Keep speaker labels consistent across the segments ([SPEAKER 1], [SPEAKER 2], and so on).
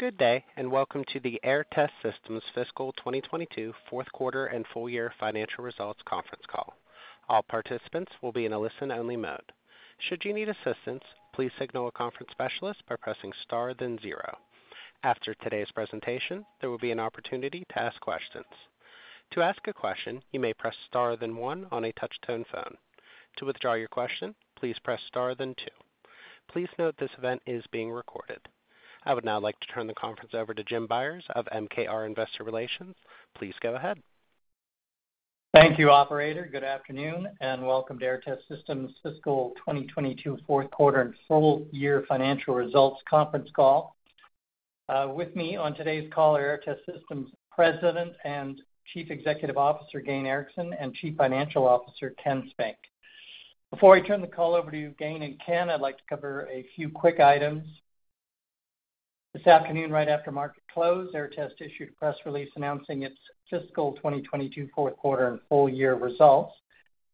[SPEAKER 1] Good day, and welcome to the Aehr Test Systems Fiscal 2022 fourth 1/4 and full year financial results conference call. All participants will be in a Listen-Only Mode. Should you need assistance, please signal a conference specialist by pressing star then zero. After today's presentation, there will be an opportunity to ask questions. To ask a question, you may press star then one on a Touch-Tone phone. To withdraw your question, please press star then 2. Please note this event is being recorded. I would now like to turn the conference over to Jim Byers of MKR Investor Relations. Please go ahead.
[SPEAKER 2] Thank you, operator. Good afternoon, and welcome to Aehr Test Systems Fiscal 2022 fourth 1/4 and full year financial results conference call. With me on today's call are Aehr Test Systems President and Chief Executive Officer, Gayn Erickson, and Chief Financial Officer, Ken Spink. Before I turn the call over to Gayn and Ken, I'd like to cover a few quick items. This afternoon, right after market close, Aehr Test issued a press release announcing its fiscal 2022 fourth 1/4 and full year results.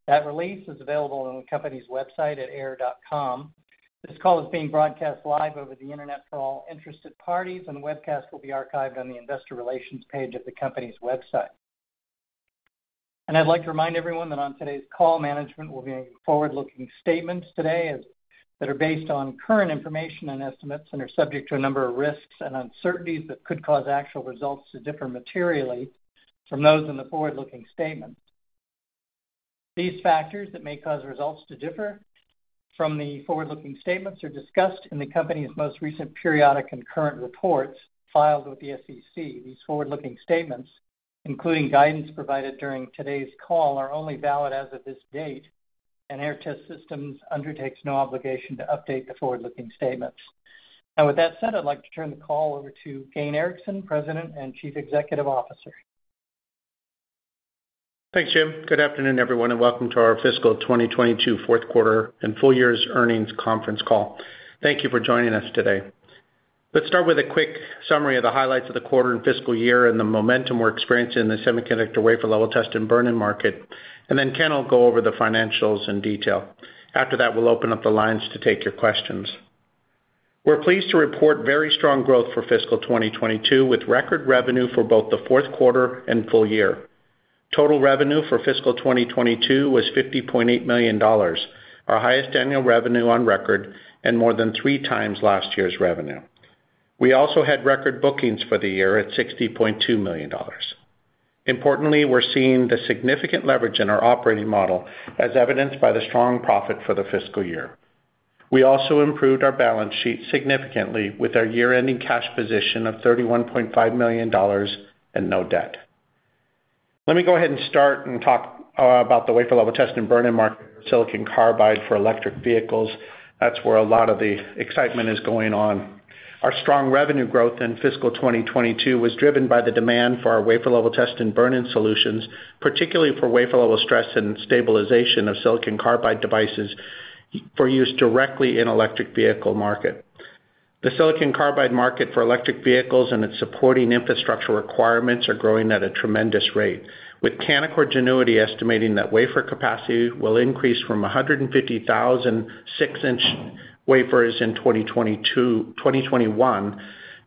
[SPEAKER 2] That release is available on the company's website at aehr.com. This call is being broadcast live over the Internet for all interested parties, and the webcast will be archived on the investor relations page of the company's website. I'd like to remind everyone that on today's call, management will be making Forward-Looking statements that are based on current information and estimates and are subject to a number of risks and uncertainties that could cause actual results to differ materially from those in the Forward-Looking statements. These factors that may cause results to differ from the Forward-Looking statements are discussed in the company's most recent periodic and current reports filed with the SEC. These Forward-Looking statements, including guidance provided during today's call, are only valid as of this date, and Aehr Test Systems undertakes no obligation to update the Forward-Looking statements. Now, with that said, I'd like to turn the call over to Gayn Erickson, President and Chief Executive Officer.
[SPEAKER 3] Thanks, Jim. Good afternoon, everyone, and welcome to our fiscal 2022 fourth 1/4 and full year’s earnings conference call. Thank you for joining us today. Let's start with a quick summary of the highlights of the 1/4 and fiscal year and the momentum we're experiencing in the semiconductor wafer-level test and Burn-In market, and then Ken will go over the financials in detail. After that, we'll open up the lines to take your questions. We're pleased to report very strong growth for fiscal 2022, with record revenue for both the fourth 1/4 and full year. Total revenue for fiscal 2022 was $50.8 million, our highest annual revenue on record and more than 3 times last year’s revenue. We also had record bookings for the year at $60.2 million. Importantly, we're seeing the significant leverage in our operating model as evidenced by the strong profit for the fiscal year. We also improved our balance sheet significantly with our year-ending cash position of $31.5 million and no debt. Let me go ahead and start and talk about the wafer level test and Burn-In market, silicon carbide for electric vehicles. That's where a lot of the excitement is going on. Our strong revenue growth in fiscal 2022 was driven by the demand for our wafer level test and Burn-In solutions, particularly for wafer level stress and stabilization of silicon carbide devices for use directly in electric vehicle market. The silicon carbide market for electric vehicles and its supporting infrastructure requirements are growing at a tremendous rate, with Canaccord Genuity estimating that wafer capacity will increase from 150,000 6-inch wafers in 2021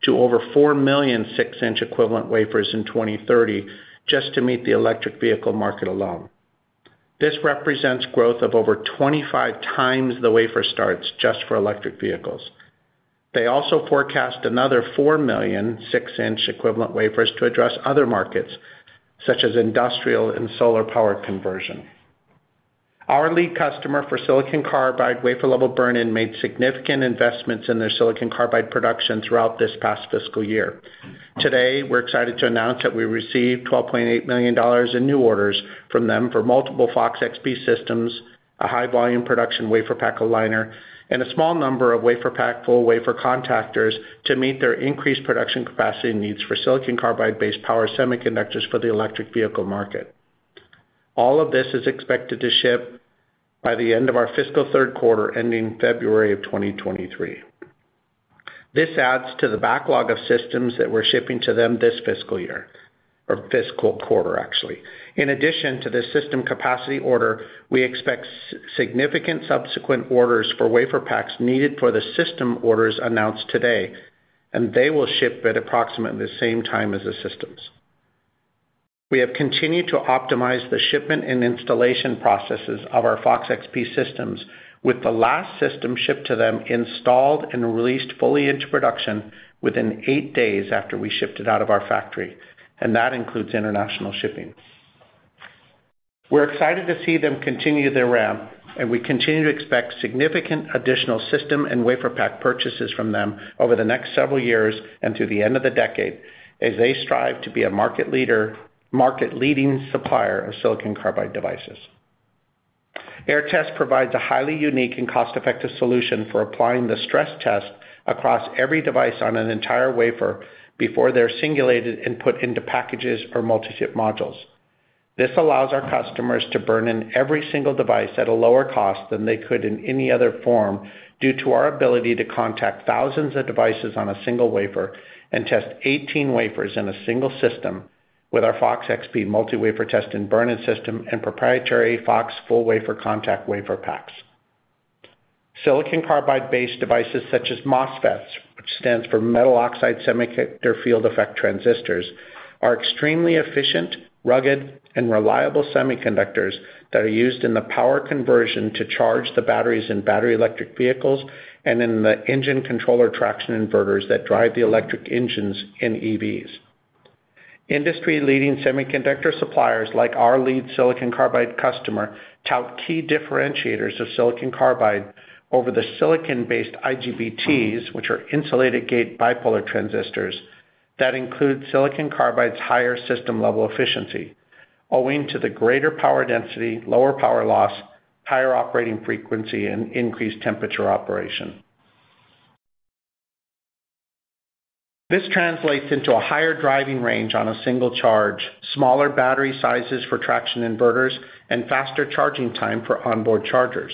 [SPEAKER 3] to over 4 million 6-inch equivalent wafers in 2030 just to meet the electric vehicle market alone. This represents growth of over 25 times the wafer starts just for electric vehicles. They also forecast another 4 million 6-inch equivalent wafers to address other markets, such as industrial and solar power conversion. Our lead customer for silicon carbide wafer level Burn-In made significant investments in their silicon carbide production throughout this past fiscal year. Today, we're excited to announce that we received $12.8 million in new orders from them for multiple FOX-XP systems, a high volume production Waferpak aligner, and a small number of Waferpak full wafer contactors to meet their increased production capacity needs for silicon Carbide-Based power semiconductors for the electric vehicle market. All of this is expected to ship by the end of our fiscal 1/3 1/4 ending February of 2023. This adds to the backlog of systems that we're shipping to them this fiscal year or fiscal 1/4, actually. In addition to the system capacity order, we expect significant subsequent orders for WaferPaks needed for the system orders announced today, and they will ship at approximately the same time as the systems. We have continued to optimize the shipment and installation processes of our FOX-XP systems with the last system shipped to them installed and released fully into production within 8 days after we shipped it out of our factory, and that includes international shipping. We're excited to see them continue their ramp, and we continue to expect significant additional system and WaferPak purchases from them over the next several years and through the end of the decade as they strive to be a Market-Leading supplier of silicon carbide devices. There test provides a highly unique and Cost-Effective solution for applying the stress test across every device on an entire wafer before they're singulated and put into packages or Multi-Chip modules. This allows our customers to burn in every single device at a lower cost than they could in any other form due to our ability to contact thousands of devices on a single wafer and test 18 wafers in a single system with our FOX-XP multi-wafer test and Burn-In system and proprietary FOX full wafer contactor WaferPaks. Silicon Carbide-Based devices such as MOSFETs, which stands for metal oxide semiconductor field effect transistors, are extremely efficient, rugged, and reliable semiconductors that are used in the power conversion to charge the batteries in battery electric vehicles and in the engine controller traction inverters that drive the electric engines in EVs. Industry-leading semiconductor suppliers like our lead silicon carbide customer tout key differentiators of silicon carbide over the silicon-based IGBTs, which are Insulated-Gate Bipolar Transistors, that include silicon carbide's higher system level efficiency, owing to the greater power density, lower power loss, higher operating frequency, and increased temperature operation. This translates into a higher driving range on a single charge, smaller battery sizes for traction inverters, and faster charging time for onboard chargers.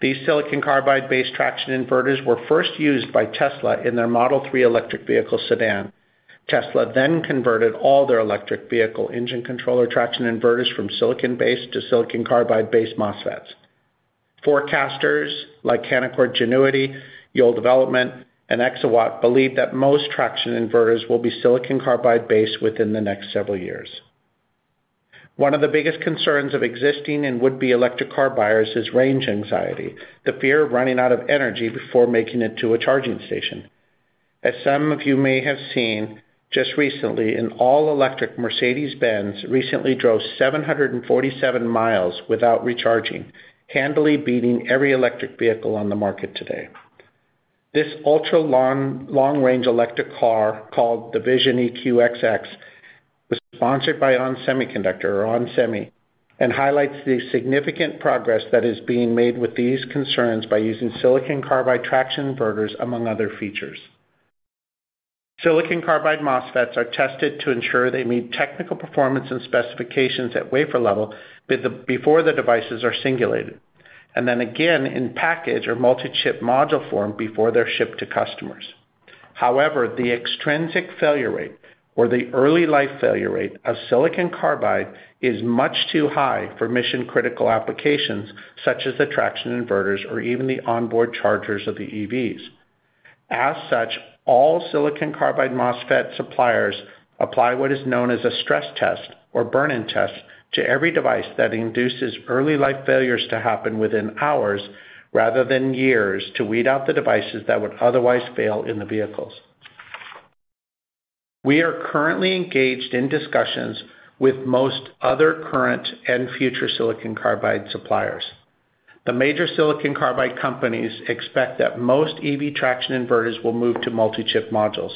[SPEAKER 3] These silicon Carbide-Based traction inverters were first used by Tesla in their Model 3 electric vehicle sedan. Tesla then converted all their electric vehicle engine controller traction inverters from silicon-based to silicon Carbide-Based MOSFETs. Forecasters like Canaccord Genuity, Yole Group, and Exawatt believe that most traction inverters will be silicon Carbide-Based within the next several years. One of the biggest concerns of existing and would-be electric car buyers is range anxiety, the fear of running out of energy before making it to a charging station. As some of you may have seen just recently, an all-electric Mercedes-Benz recently drove 747 miles without recharging, handily beating every electric vehicle on the market today. This ultra-long, long-range electric car, called the VISION EQXX, was sponsored by onsemir, or ON Semi, and highlights the significant progress that is being made with these concerns by using silicon carbide traction inverters, among other features. Silicon carbide MOSFETs are tested to ensure they meet technical performance and specifications at wafer level before the devices are singulated, and then again in package or Multi-Chip module form before they're shipped to customers. However, the extrinsic failure rate or the early life failure rate of silicon carbide is much too high for mission-critical applications such as the traction inverters or even the onboard chargers of the EVs. As such, all silicon carbide MOSFET suppliers apply what is known as a stress test or Burn-In test to every device that induces early life failures to happen within hours rather than years to weed out the devices that would otherwise fail in the vehicles. We are currently engaged in discussions with most other current and future silicon carbide suppliers. The major silicon carbide companies expect that most EV traction inverters will move to Multi-Chip modules.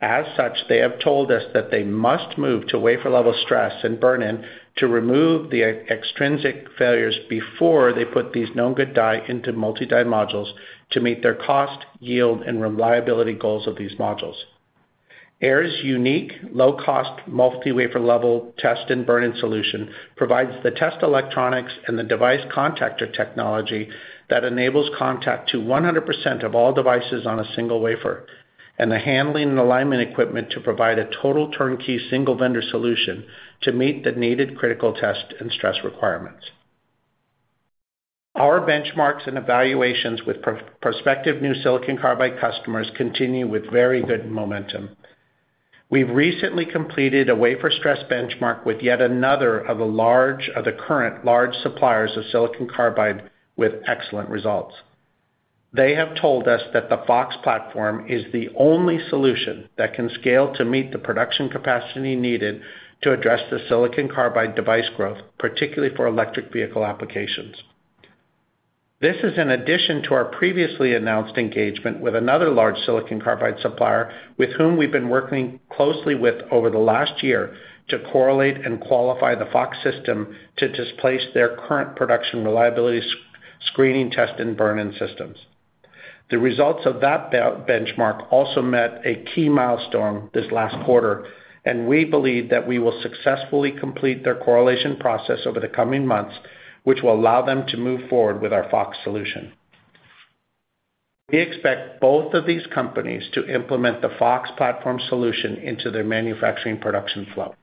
[SPEAKER 3] As such, they have told us that they must move to wafer-level stress and Burn-In to remove the extrinsic failures before they put these known good die into multi-die modules to meet their cost, yield, and reliability goals of these modules. Aehr's unique Low-Cost multi-wafer level test and Burn-In solution provides the test electronics and the device contactor technology that enables contact to 100% of all devices on a single wafer, and the handling and alignment equipment to provide a total turnkey single vendor solution to meet the needed critical test and stress requirements. Our benchmarks and evaluations with prospective new silicon carbide customers continue with very good momentum. We've recently completed a wafer stress benchmark with yet another of the current large suppliers of silicon carbide with excellent results. They have told us that the Fox platform is the only solution that can scale to meet the production capacity needed to address the silicon carbide device growth, particularly for electric vehicle applications. This is in addition to our previously announced engagement with another large silicon carbide supplier with whom we've been working closely with over the last year to correlate and qualify the Fox system to displace their current production reliability screening test and Burn-In systems. The results of that benchmark also met a key milestone this last 1/4, and we believe that we will successfully complete their correlation process over the coming months, which will allow them to move forward with our Fox solution. We expect both of these companies to implement the Fox platform solution into their manufacturing production flow.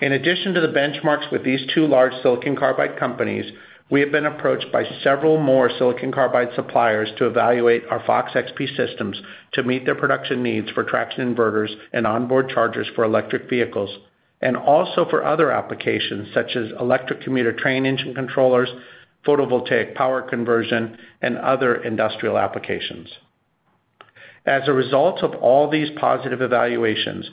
[SPEAKER 3] In addition to the benchmarks with these 2 large silicon carbide companies, we have been approached by several more silicon carbide suppliers to evaluate our FOX-XP systems to meet their production needs for traction inverters and onboard chargers for electric vehicles, and also for other applications such as electric commuter train engine controllers, photovoltaic power conversion, and other industrial applications. As a result of all these positive evaluations,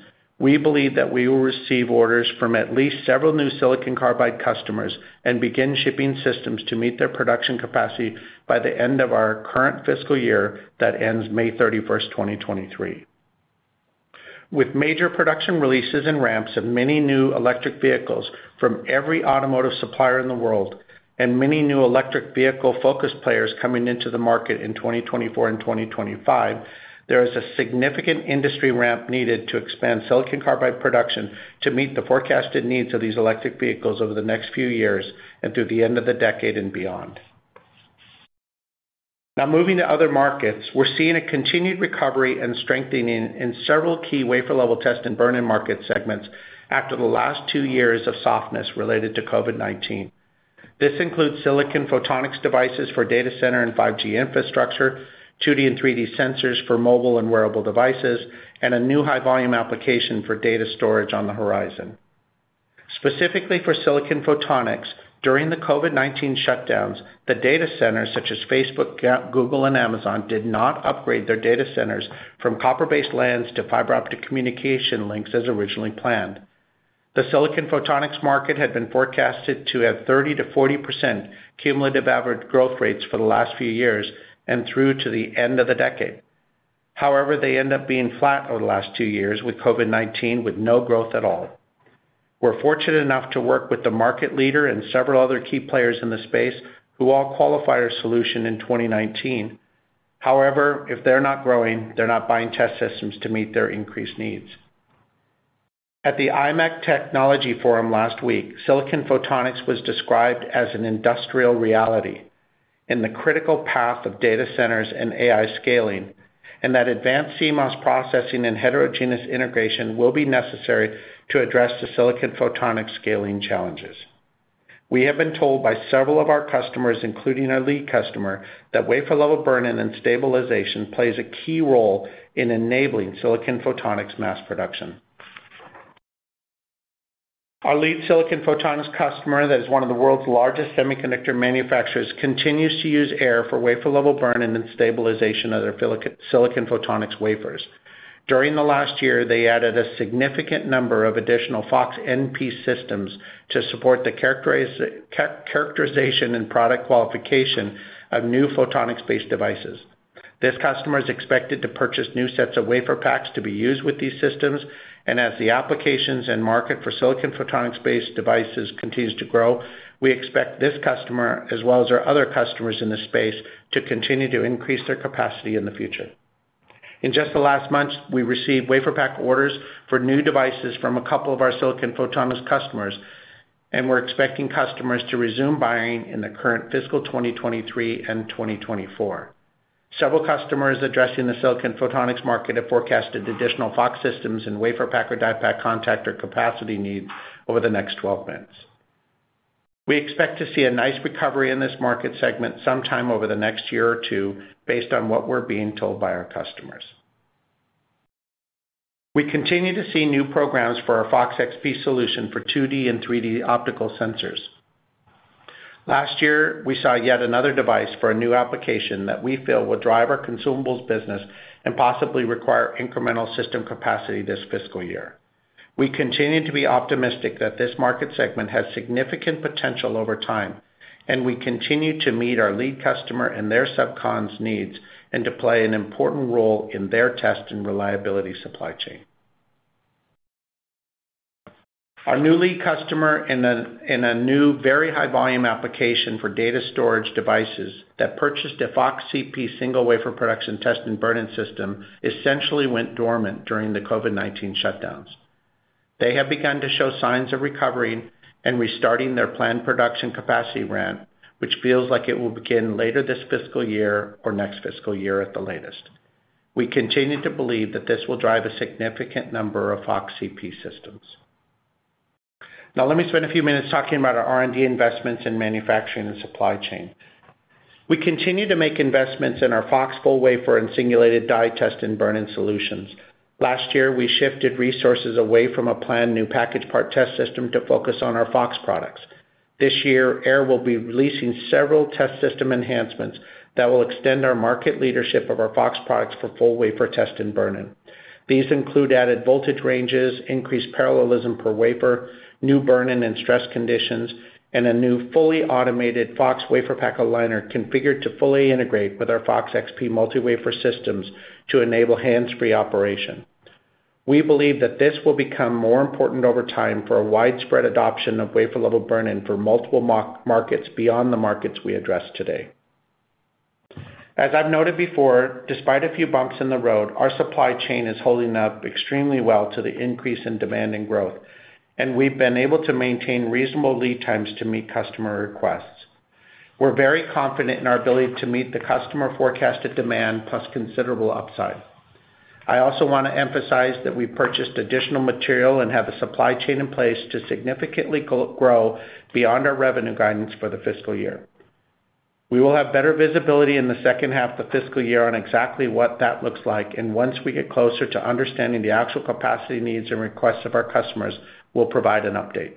[SPEAKER 3] we believe that we will receive orders from at least several new silicon carbide customers and begin shipping systems to meet their production capacity by the end of our current fiscal year that ends May 31, 2023. With major production releases and ramps of many new electric vehicles from every automotive supplier in the world, and many new electric vehicle-focused players coming into the market in 2024 and 2025, there is a significant industry ramp needed to expand silicon carbide production to meet the forecasted needs of these electric vehicles over the next few years and through the end of the decade and beyond. Now moving to other markets, we're seeing a continued recovery and strengthening in several key wafer level test and Burn-In market segments after the last 2 years of softness related to COVID-19. This includes silicon photonics devices for data center and 5G infrastructure, 2D and 3D sensors for mobile and wearable devices, and a new high volume application for data storage on the horizon. Specifically for silicon photonics, during the COVID-19 shutdowns, the data centers such as Facebook, Google and Amazon, did not upgrade their data centers from copper-based LANs to fiber optic communication links as originally planned. The silicon photonics market had been forecasted to have 30%-40% cumulative average growth rates for the last few years, and through to the end of the decade. However, they end up being flat over the last 2 years with COVID-19 with no growth at all. We're fortunate enough to work with the market leader and several other key players in the space who all qualify our solution in 2019. However, if they're not growing, they're not buying test systems to meet their increased needs. At the Imec Technology Forum last week, silicon photonics was described as an industrial reality in the critical path of data centers and AI scaling, and that advanced CMOS processing and heterogeneous integration will be necessary to address the silicon photonics scaling challenges. We have been told by several of our customers, including our lead customer, that wafer-level Burn-In and stabilization plays a key role in enabling silicon photonics mass production. Our lead silicon photonics customer, that is one of the world's largest semiconductor manufacturers, continues to use Aehr for wafer-level Burn-In and stabilization of their silicon photonics wafers. During the last year, they added a significant number of additional FOX-NP systems to support the characterization and product qualification of new photonics-based devices. This customer is expected to purchase new sets of WaferPaks to be used with these systems, and as the applications and market for silicon photonics-based devices continues to grow, we expect this customer, as well as our other customers in this space, to continue to increase their capacity in the future. In just the last month, we received WaferPak orders for new devices from a couple of our silicon photonics customers, and we're expecting customers to resume buying in the current fiscal 2023 and 2024. Several customers addressing the silicon photonics market have forecasted additional FOX systems and WaferPak or DiePak contactor capacity needs over the next 12 months. We expect to see a nice recovery in this market segment sometime over the next year or 2 based on what we're being told by our customers. We continue to see new programs for our Fox XP solution for 2D and 3D optical sensors. Last year, we saw yet another device for a new application that we feel will drive our consumables business and possibly require incremental system capacity this fiscal year. We continue to be optimistic that this market segment has significant potential over time, and we continue to meet our lead customer and their sub cons needs, and to play an important role in their test and reliability supply chain. Our new lead customer in a new very high volume application for data storage devices that purchased a FOX-CP single wafer production test and Burn-In system essentially went dormant during the COVID-19 shutdowns. They have begun to show signs of recovering and restarting their planned production capacity ramp, which feels like it will begin later this fiscal year or next fiscal year at the latest. We continue to believe that this will drive a significant number of FOX-CP systems. Now let me spend a few minutes talking about our R&D investments in manufacturing and supply chain. We continue to make investments in our FOX full wafer and singulated die test and Burn-In solutions. Last year, we shifted resources away from a planned new package part test system to focus on our FOX products. This year, Aehr will be releasing several test system enhancements that will extend our market leadership of our FOX products for full wafer test and Burn-In. These include added voltage ranges, increased parallelism per wafer, new Burn-In and stress conditions, and a new fully automated FOX-WaferPak aligner configured to fully integrate with our FOX XP multi-wafer systems to enable hands-free operation. We believe that this will become more important over time for a widespread adoption of wafer-level Burn-In for multiple markets beyond the markets we address today. As I've noted before, despite a few bumps in the road, our supply chain is holding up extremely well to the increase in demand and growth, and we've been able to maintain reasonable lead times to meet customer requests. We're very confident in our ability to meet the customer forecasted demand plus considerable upside. I also wanna emphasize that we purchased additional material and have a supply chain in place to significantly grow beyond our revenue guidance for the fiscal year. We will have better visibility in the second 1/2 of the fiscal year on exactly what that looks like, and once we get closer to understanding the actual capacity needs and requests of our customers, we'll provide an update.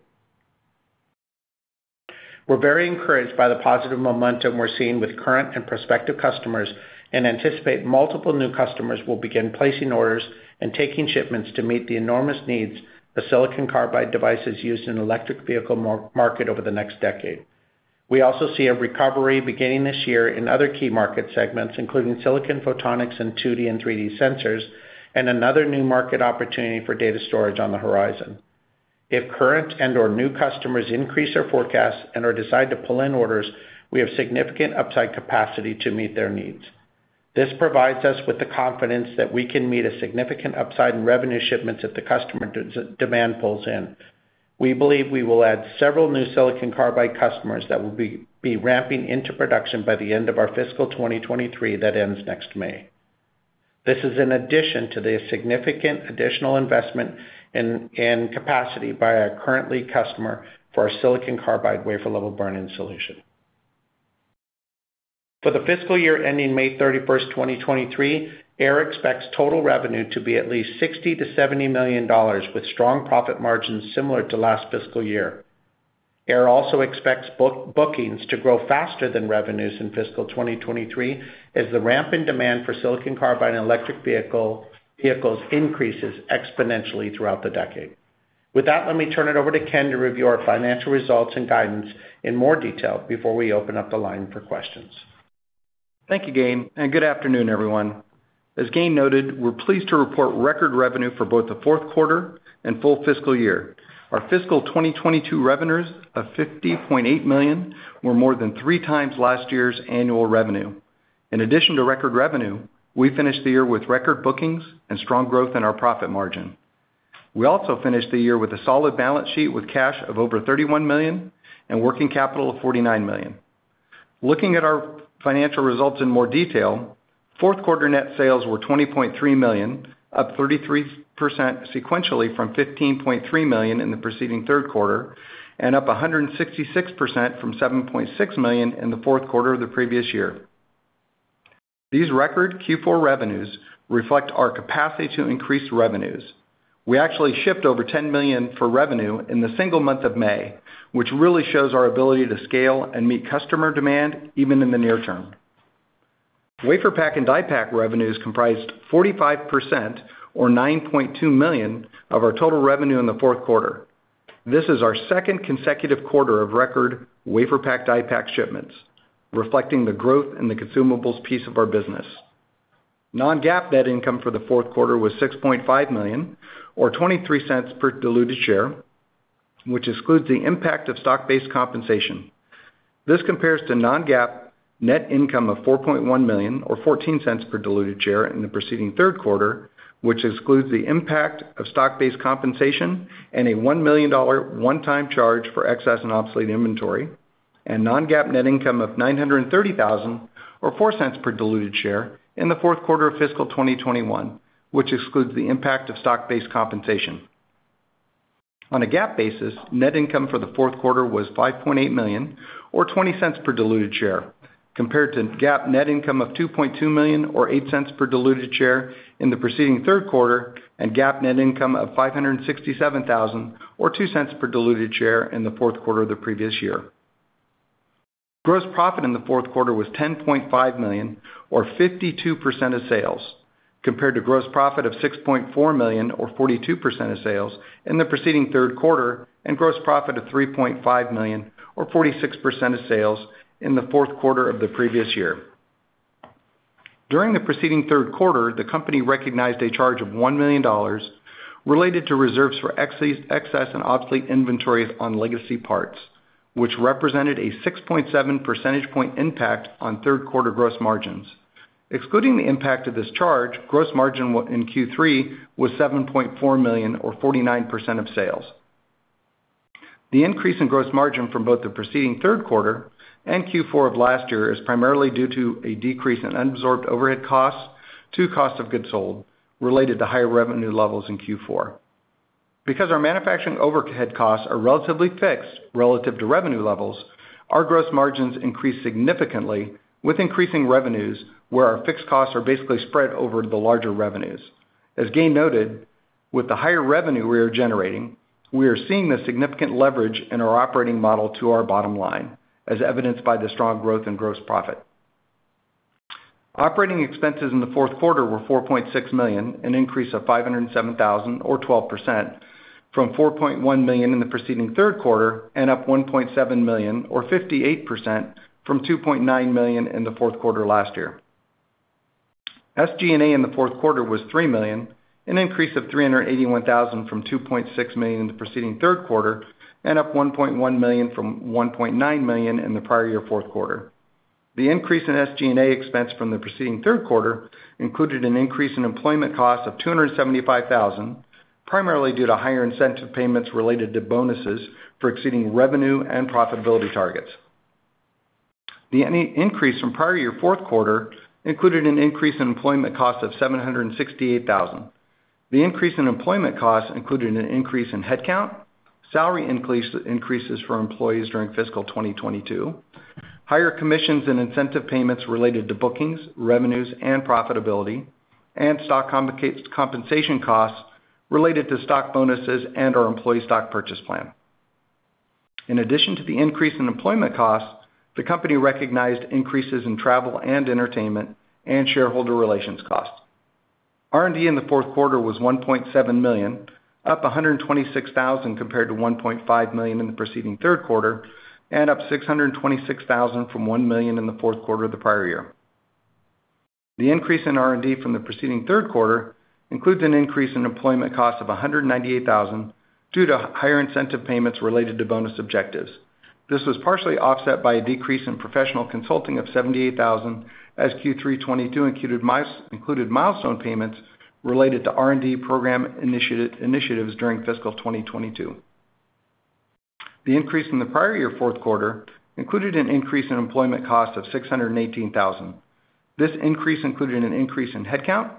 [SPEAKER 3] We're very encouraged by the positive momentum we're seeing with current and prospective customers, and anticipate multiple new customers will begin placing orders and taking shipments to meet the enormous needs of silicon carbide devices used in electric vehicle market over the next decade. We also see a recovery beginning this year in other key market segments, including silicon photonics and 2D and 3D sensors, and another new market opportunity for data storage on the horizon. If current and/or new customers increase their forecasts and/or decide to pull in orders, we have significant upside capacity to meet their needs. This provides us with the confidence that we can meet a significant upside in revenue shipments if the customer demand pulls in. We believe we will add several new silicon carbide customers that will be ramping into production by the end of our fiscal 2023 that ends next May. This is in addition to the significant additional investment in capacity by our current customer for our silicon carbide wafer-level Burn-In solution. For the fiscal year ending May 31, 2023, Aehr expects total revenue to be at least $60 million-$70 million with strong profit margins similar to last fiscal year. Aehr also expects bookings to grow faster than revenues in fiscal 2023 as the ramp in demand for silicon carbide and electric vehicles increases exponentially throughout the decade. With that, let me turn it over to Ken to review our financial results and guidance in more detail before we open up the line for questions.
[SPEAKER 4] Thank you, Gayn, and good afternoon, everyone. As Gayn noted, we're pleased to report record revenue for both the fourth 1/4 and full fiscal year. Our fiscal 2022 revenues of $50.8 million were more than 3 times last year's annual revenue. In addition to record revenue, we finished the year with record bookings and strong growth in our profit margin. We also finished the year with a solid balance sheet with cash of over $31 million and working capital of $49 million. Looking at our financial results in more detail, fourth 1/4 net sales were $20.3 million, up 33% sequentially from $15.3 million in the preceding 1/3 1/4, and up 166% from $7.6 million in the fourth 1/4 of the previous year. These record Q4 revenues reflect our capacity to increase revenues. We actually shipped over $10 million in revenue in the single month of May, which really shows our ability to scale and meet customer demand even in the near term. WaferPak and DiePak revenues comprised 45% or $9.2 million of our total revenue in the fourth 1/4. This is our second consecutive 1/4 of record WaferPak and DiePak shipments, reflecting the growth in the consumables piece of our business. Non-GAAP net income for the fourth 1/4 was $6.5 million or $0.23 per diluted share, which excludes the impact of Stock-Based compensation. This compares to Non-GAAP net income of $4.1 million or $0.14 per diluted share in the preceding 1/3 1/4, which excludes the impact of Stock-Based compensation and a $1 million one-time charge for excess and obsolete inventory, and Non-GAAP net income of $930 thousand or $0.04 per diluted share in the fourth 1/4 of fiscal 2021, which excludes the impact of Stock-Based compensation. On a GAAP basis, net income for the fourth 1/4 was $5.8 million or $0.20 per diluted share, compared to GAAP net income of $2.2 million or $0.08 per diluted share in the preceding 1/3 1/4, and GAAP net income of $567 thousand or $0.02 per diluted share in the fourth 1/4 of the previous year. Gross profit in the fourth 1/4 was $10.5 million or 52% of sales, compared to gross profit of $6.4 million or 42% of sales in the preceding 1/3 1/4, and gross profit of $3.5 million or 46% of sales in the fourth 1/4 of the previous year. During the preceding 1/3 1/4, the company recognized a charge of $1 million related to reserves for excess and obsolete inventories on legacy parts, which represented a 6.7 percentage point impact on 1/3 1/4 gross margins. Excluding the impact of this charge, gross margin in Q3 was $7.4 million or 49% of sales. The increase in gross margin from both the preceding 1/3 1/4 and Q4 of last year is primarily due to a decrease in unabsorbed overhead costs to cost of goods sold related to higher revenue levels in Q4. Because our manufacturing overhead costs are relatively fixed relative to revenue levels, our gross margins increase significantly with increasing revenues where our fixed costs are basically spread over the larger revenues. As Gayn noted, with the higher revenue we are generating, we are seeing the significant leverage in our operating model to our bottom line, as evidenced by the strong growth in gross profit. Operating expenses in the fourth 1/4 were $4.6 million, an increase of $507,000 or 12% from $4.1 million in the preceding 1/3 1/4 and up $1.7 million or 58% from $2.9 million in the fourth 1/4 last year. SG&A in the fourth 1/4 was $3 million, an increase of $381,000 from $2.6 million in the preceding 1/3 1/4 and up $1.1 million from $1.9 million in the prior year fourth 1/4. The increase in SG&A expense from the preceding 1/3 1/4 included an increase in employment costs of $275,000, primarily due to higher incentive payments related to bonuses for exceeding revenue and profitability targets. The increase from prior year fourth 1/4 included an increase in employment costs of $768 thousand. The increase in employment costs included an increase in headcount, salary increases for employees during fiscal 2022, higher commissions and incentive payments related to bookings, revenues, and profitability, and stock compensation costs related to stock bonuses and our employee stock purchase plan. In addition to the increase in employment costs, the company recognized increases in travel and entertainment and shareholder relations costs. R&D in the fourth 1/4 was $1.7 million, up $126 thousand compared to $1.5 million in the preceding 1/3 1/4, and up $626 thousand from $1 million in the fourth 1/4 of the prior year. The increase in R&D from the preceding 1/3 1/4 includes an increase in employment costs of $198,000 due to higher incentive payments related to bonus objectives. This was partially offset by a decrease in professional consulting of $78,000 as Q3 2022 included included milestone payments related to R&D program initiatives during fiscal 2022. The increase in the prior year fourth 1/4 included an increase in employment costs of $618,000. This increase included an increase in headcount,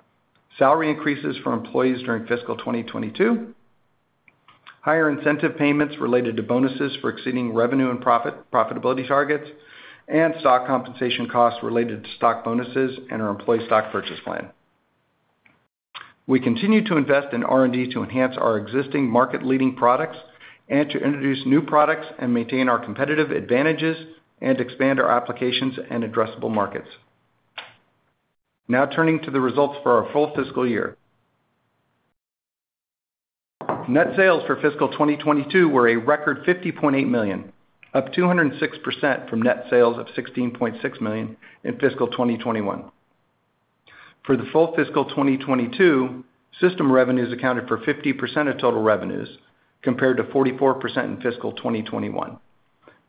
[SPEAKER 4] salary increases for employees during fiscal 2022, higher incentive payments related to bonuses for exceeding revenue and profitability targets, and stock compensation costs related to stock bonuses and our employee stock purchase plan. We continue to invest in R&D to enhance our existing Market-Leading products and to introduce new products and maintain our competitive advantages and expand our applications and addressable markets. Now turning to the results for our full fiscal year. Net sales for fiscal 2022 were a record $50.8 million, up 206% from net sales of $16.6 million in fiscal 2021. For the full fiscal 2022, system revenues accounted for 50% of total revenues, compared to 44% in fiscal 2021.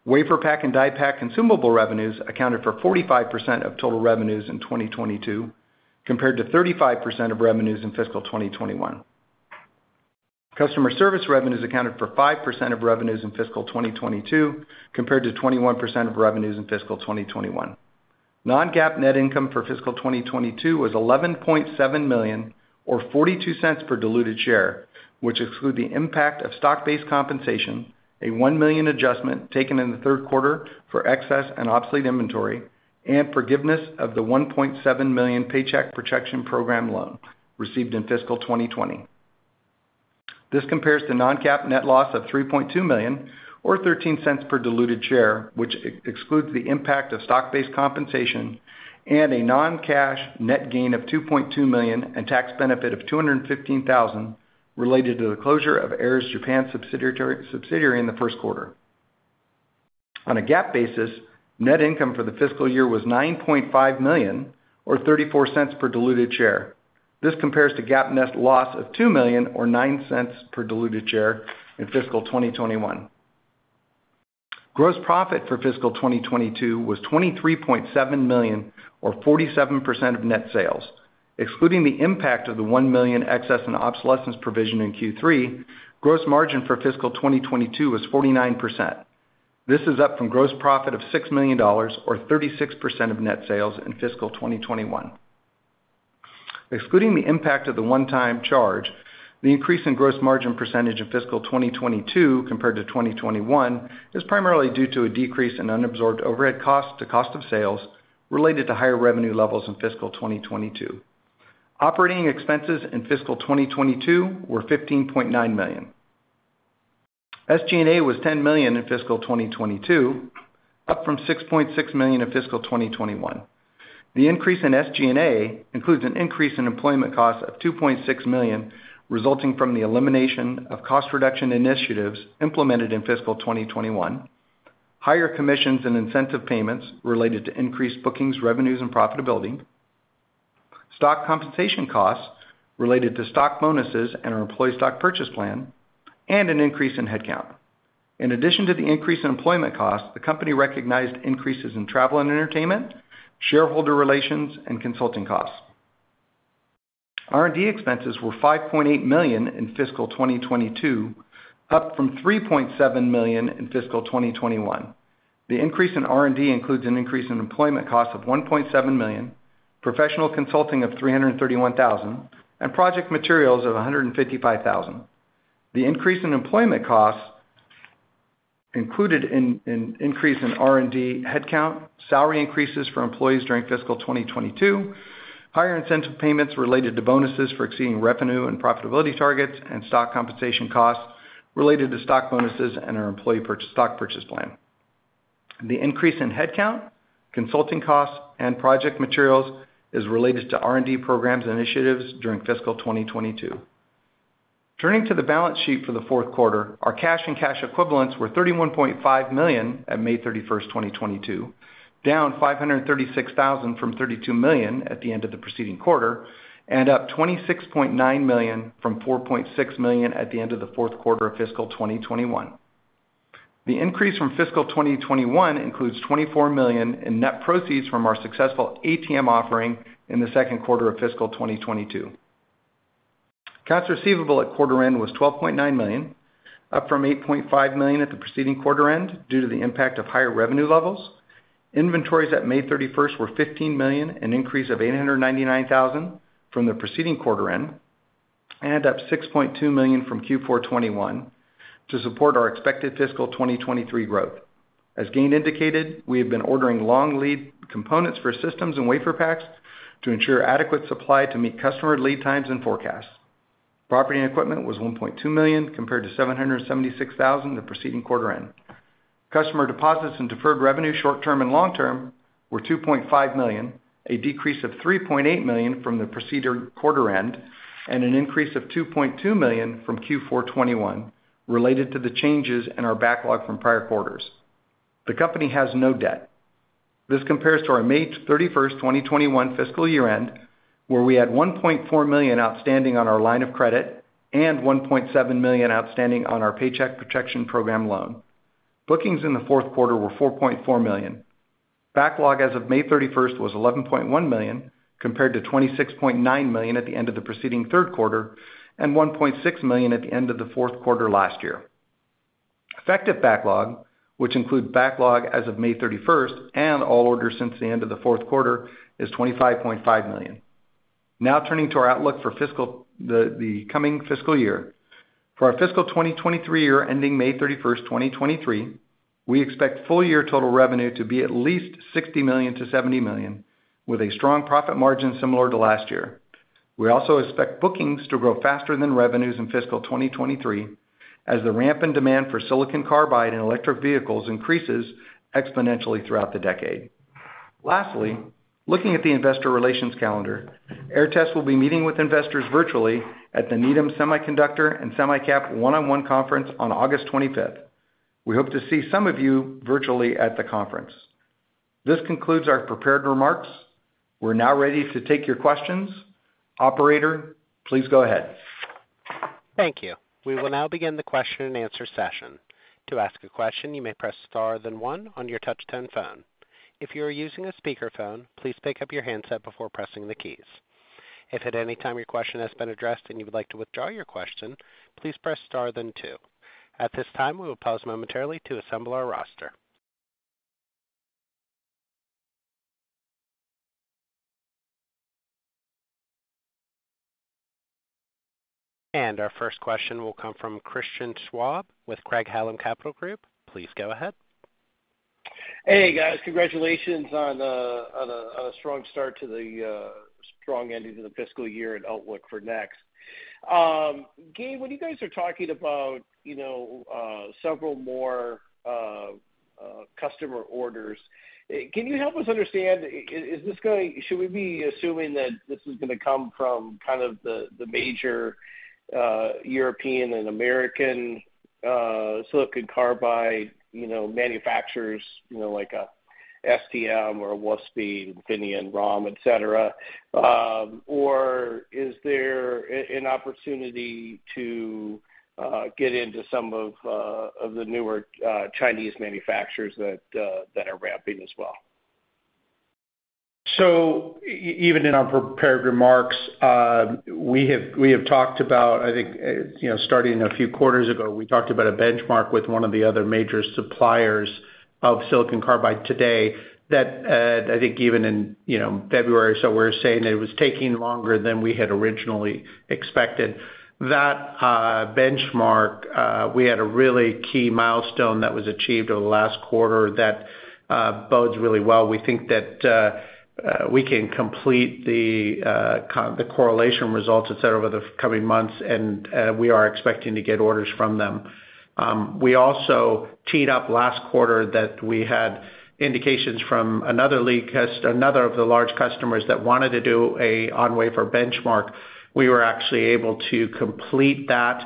[SPEAKER 4] WaferPak and DiePak consumable revenues accounted for 45% of total revenues in 2022, compared to 35% of revenues in fiscal 2021. Customer service revenues accounted for 5% of revenues in fiscal 2022, compared to 21% of revenues in fiscal 2021. Non-GAAP net income for fiscal 2022 was $11.7 million or $0.42 per diluted share, which excludes the impact of Stock-Based compensation, a $1 million adjustment taken in the 1/3 1/4 for excess and obsolete inventory, and forgiveness of the $1.7 million Paycheck Protection Program loan received in fiscal 2020. This compares to Non-GAAP net loss of $3.2 million or $0.13 per diluted share, which excludes the impact of Stock-Based compensation and a Non-cash net gain of $2.2 million and tax benefit of $215,000 related to the closure of Aehr's Japan subsidiary in the first 1/4. On a GAAP basis, net income for the fiscal year was $9.5 million or $0.34 per diluted share. This compares to GAAP net loss of $2 million or $0.09 per diluted share in fiscal 2021. Gross profit for fiscal 2022 was $23.7 million or 47% of net sales. Excluding the impact of the $1 million excess and obsolescence provision in Q3, gross margin for fiscal 2022 was 49%. This is up from gross profit of $6 million or 36% of net sales in fiscal 2021. Excluding the impact of the one-time charge, the increase in gross margin percentage in fiscal 2022 compared to 2021 is primarily due to a decrease in unabsorbed overhead cost to cost of sales related to higher revenue levels in fiscal 2022. Operating expenses in fiscal 2022 were $15.9 million. SG&A was $10 million in fiscal 2022, up from $6.6 million in fiscal 2021. The increase in SG&A includes an increase in employment costs of $2.6 million, resulting from the elimination of cost reduction initiatives implemented in fiscal 2021, higher commissions and incentive payments related to increased bookings, revenues, and profitability, stock compensation costs related to stock bonuses and our employee stock purchase plan, and an increase in headcount. In addition to the increase in employment costs, the company recognized increases in travel and entertainment, shareholder relations, and consulting costs. R&D expenses were $5.8 million in fiscal 2022, up from $3.7 million in fiscal 2021. The increase in R&D includes an increase in employment costs of $1.7 million, professional consulting of $331,000, and project materials of $155,000. The increase in employment costs included an increase in R&D headcount, salary increases for employees during fiscal 2022, higher incentive payments related to bonuses for exceeding revenue and profitability targets, and stock compensation costs related to stock bonuses and our employee stock purchase plan. The increase in headcount, consulting costs, and project materials is related to R&D programs initiatives during fiscal 2022. Turning to the balance sheet for the fourth 1/4, our cash and cash equivalents were $31.5 million on May 31, 2022, down $536 thousand from $32 million at the end of the preceding 1/4, and up $26.9 million from $4.6 million at the end of the fourth 1/4 of fiscal 2021. The increase from fiscal 2021 includes $24 million in net proceeds from our successful ATM offering in the second 1/4 of fiscal 2022. Accounts receivable at 1/4 end was $12.9 million, up from $8.5 million at the preceding 1/4 end due to the impact of higher revenue levels. Inventories at May 31 were $15 million, an increase of $899,000 from the preceding 1/4 end, and up $6.2 million from Q4 2021 to support our expected fiscal 2023 growth. As Gayn indicated, we have been ordering long lead components for systems and Waferpaks to ensure adequate supply to meet customer lead times and forecasts. Property and equipment was $1.2 million, compared to $776,000 the preceding 1/4 end. Customer deposits and deferred revenue short-term and long-term were $2.5 million, a decrease of $3.8 million from the preceding 1/4 end and an increase of $2.2 million from Q4 2021 related to the changes in our backlog from prior quarters. The company has no debt. This compares to our May 31st, 2021 fiscal year-end, where we had $1.4 million outstanding on our line of credit and $1.7 million outstanding on our Paycheck Protection Program loan. Bookings in the fourth 1/4 were $4.4 million. Backlog as of May 31 was $11.1 million compared to $26.9 million at the end of the preceding 1/3 1/4 and $1.6 million at the end of the fourth 1/4 last year. Effective backlog, which include backlog as of May 31 and all orders since the end of the fourth 1/4, is $25.5 million. Now turning to our outlook for the coming fiscal year. For our fiscal 2023 year ending May 31, 2023, we expect full year total revenue to be at least $60 million-$70 million, with a strong profit margin similar to last year. We also expect bookings to grow faster than revenues in fiscal 2023 as the ramp in demand for silicon carbide in electric vehicles increases exponentially throughout the decade. Lastly, looking at the investor relations calendar, Aehr Test Systems will be meeting with investors virtually at the Needham Semiconductor and SemiCap 1x1 Conference on August 25. We hope to see some of you virtually at the conference. This concludes our prepared remarks. We're now ready to take your questions. Operator, please go ahead.
[SPEAKER 1] Thank you. We will now begin the question and answer session. To ask a question, you may press star then one on your Touch-Tone phone. If you are using a speakerphone, please pick up your handset before pressing the keys. If at any time your question has been addressed and you would like to withdraw your question, please press star then 2. At this time, we will pause momentarily to assemble our roster. Our first question will come from Christian Schwab with Craig-Hallum Capital Group. Please go ahead.
[SPEAKER 5] Hey, guys. Congratulations on a strong ending to the fiscal year and outlook for next. Gayn, when you guys are talking about, you know, several more customer orders, can you help us understand, should we be assuming that this is gonna come from kind of the major European and American silicon carbide, you know, manufacturers, you know, like STM or Wolfspeed, Infineon, et cetera? Or is there an opportunity to get into some of the newer Chinese manufacturers that are ramping as well?
[SPEAKER 3] Even in our prepared remarks, we have talked about, I think, you know, starting a few quarters ago, we talked about a benchmark with one of the other major suppliers of silicon carbide today that, I think even in, you know, February. We're saying that it was taking longer than we had originally expected. That benchmark, we had a really key milestone that was achieved over the last 1/4 that bodes really well. We think that we can complete the correlation results, et cetera, over the coming months, and we are expecting to get orders from them. We also teed up last 1/4 that we had indications from another of the large customers that wanted to do a on-wafer benchmark. We were actually able to complete that.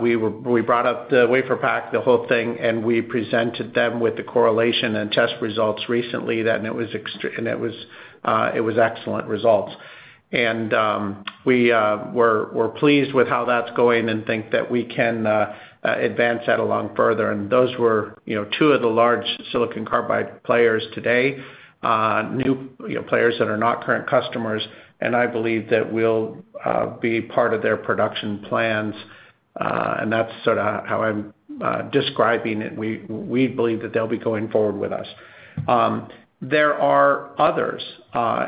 [SPEAKER 3] We brought up the WaferPak, the whole thing, and we presented them with the correlation and test results recently, that it was excellent results. We are pleased with how that's going and think that we can advance that along further. Those were, you know, 2 of the large silicon carbide players today, new, you know, players that are not current customers, and I believe that we'll be part of their production plans, and that's sort of how I'm describing it. We believe that they'll be going forward with us. There are others.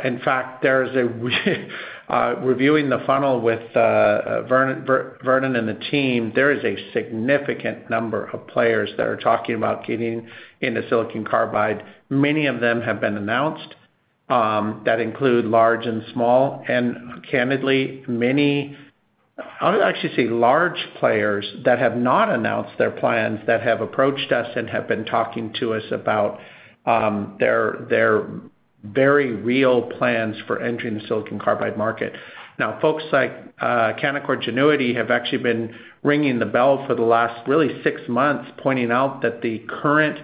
[SPEAKER 3] In fact, there's reviewing the funnel with Vernon and the team, there is a significant number of players that are talking about getting into silicon carbide. Many of them have been announced that include large and small, and candidly, many I would actually say large players that have not announced their plans, that have approached us and have been talking to us about their very real plans for entering the silicon carbide market. Now, folks like Canaccord Genuity have actually been ringing the bell for the last really 6 months, pointing out that the current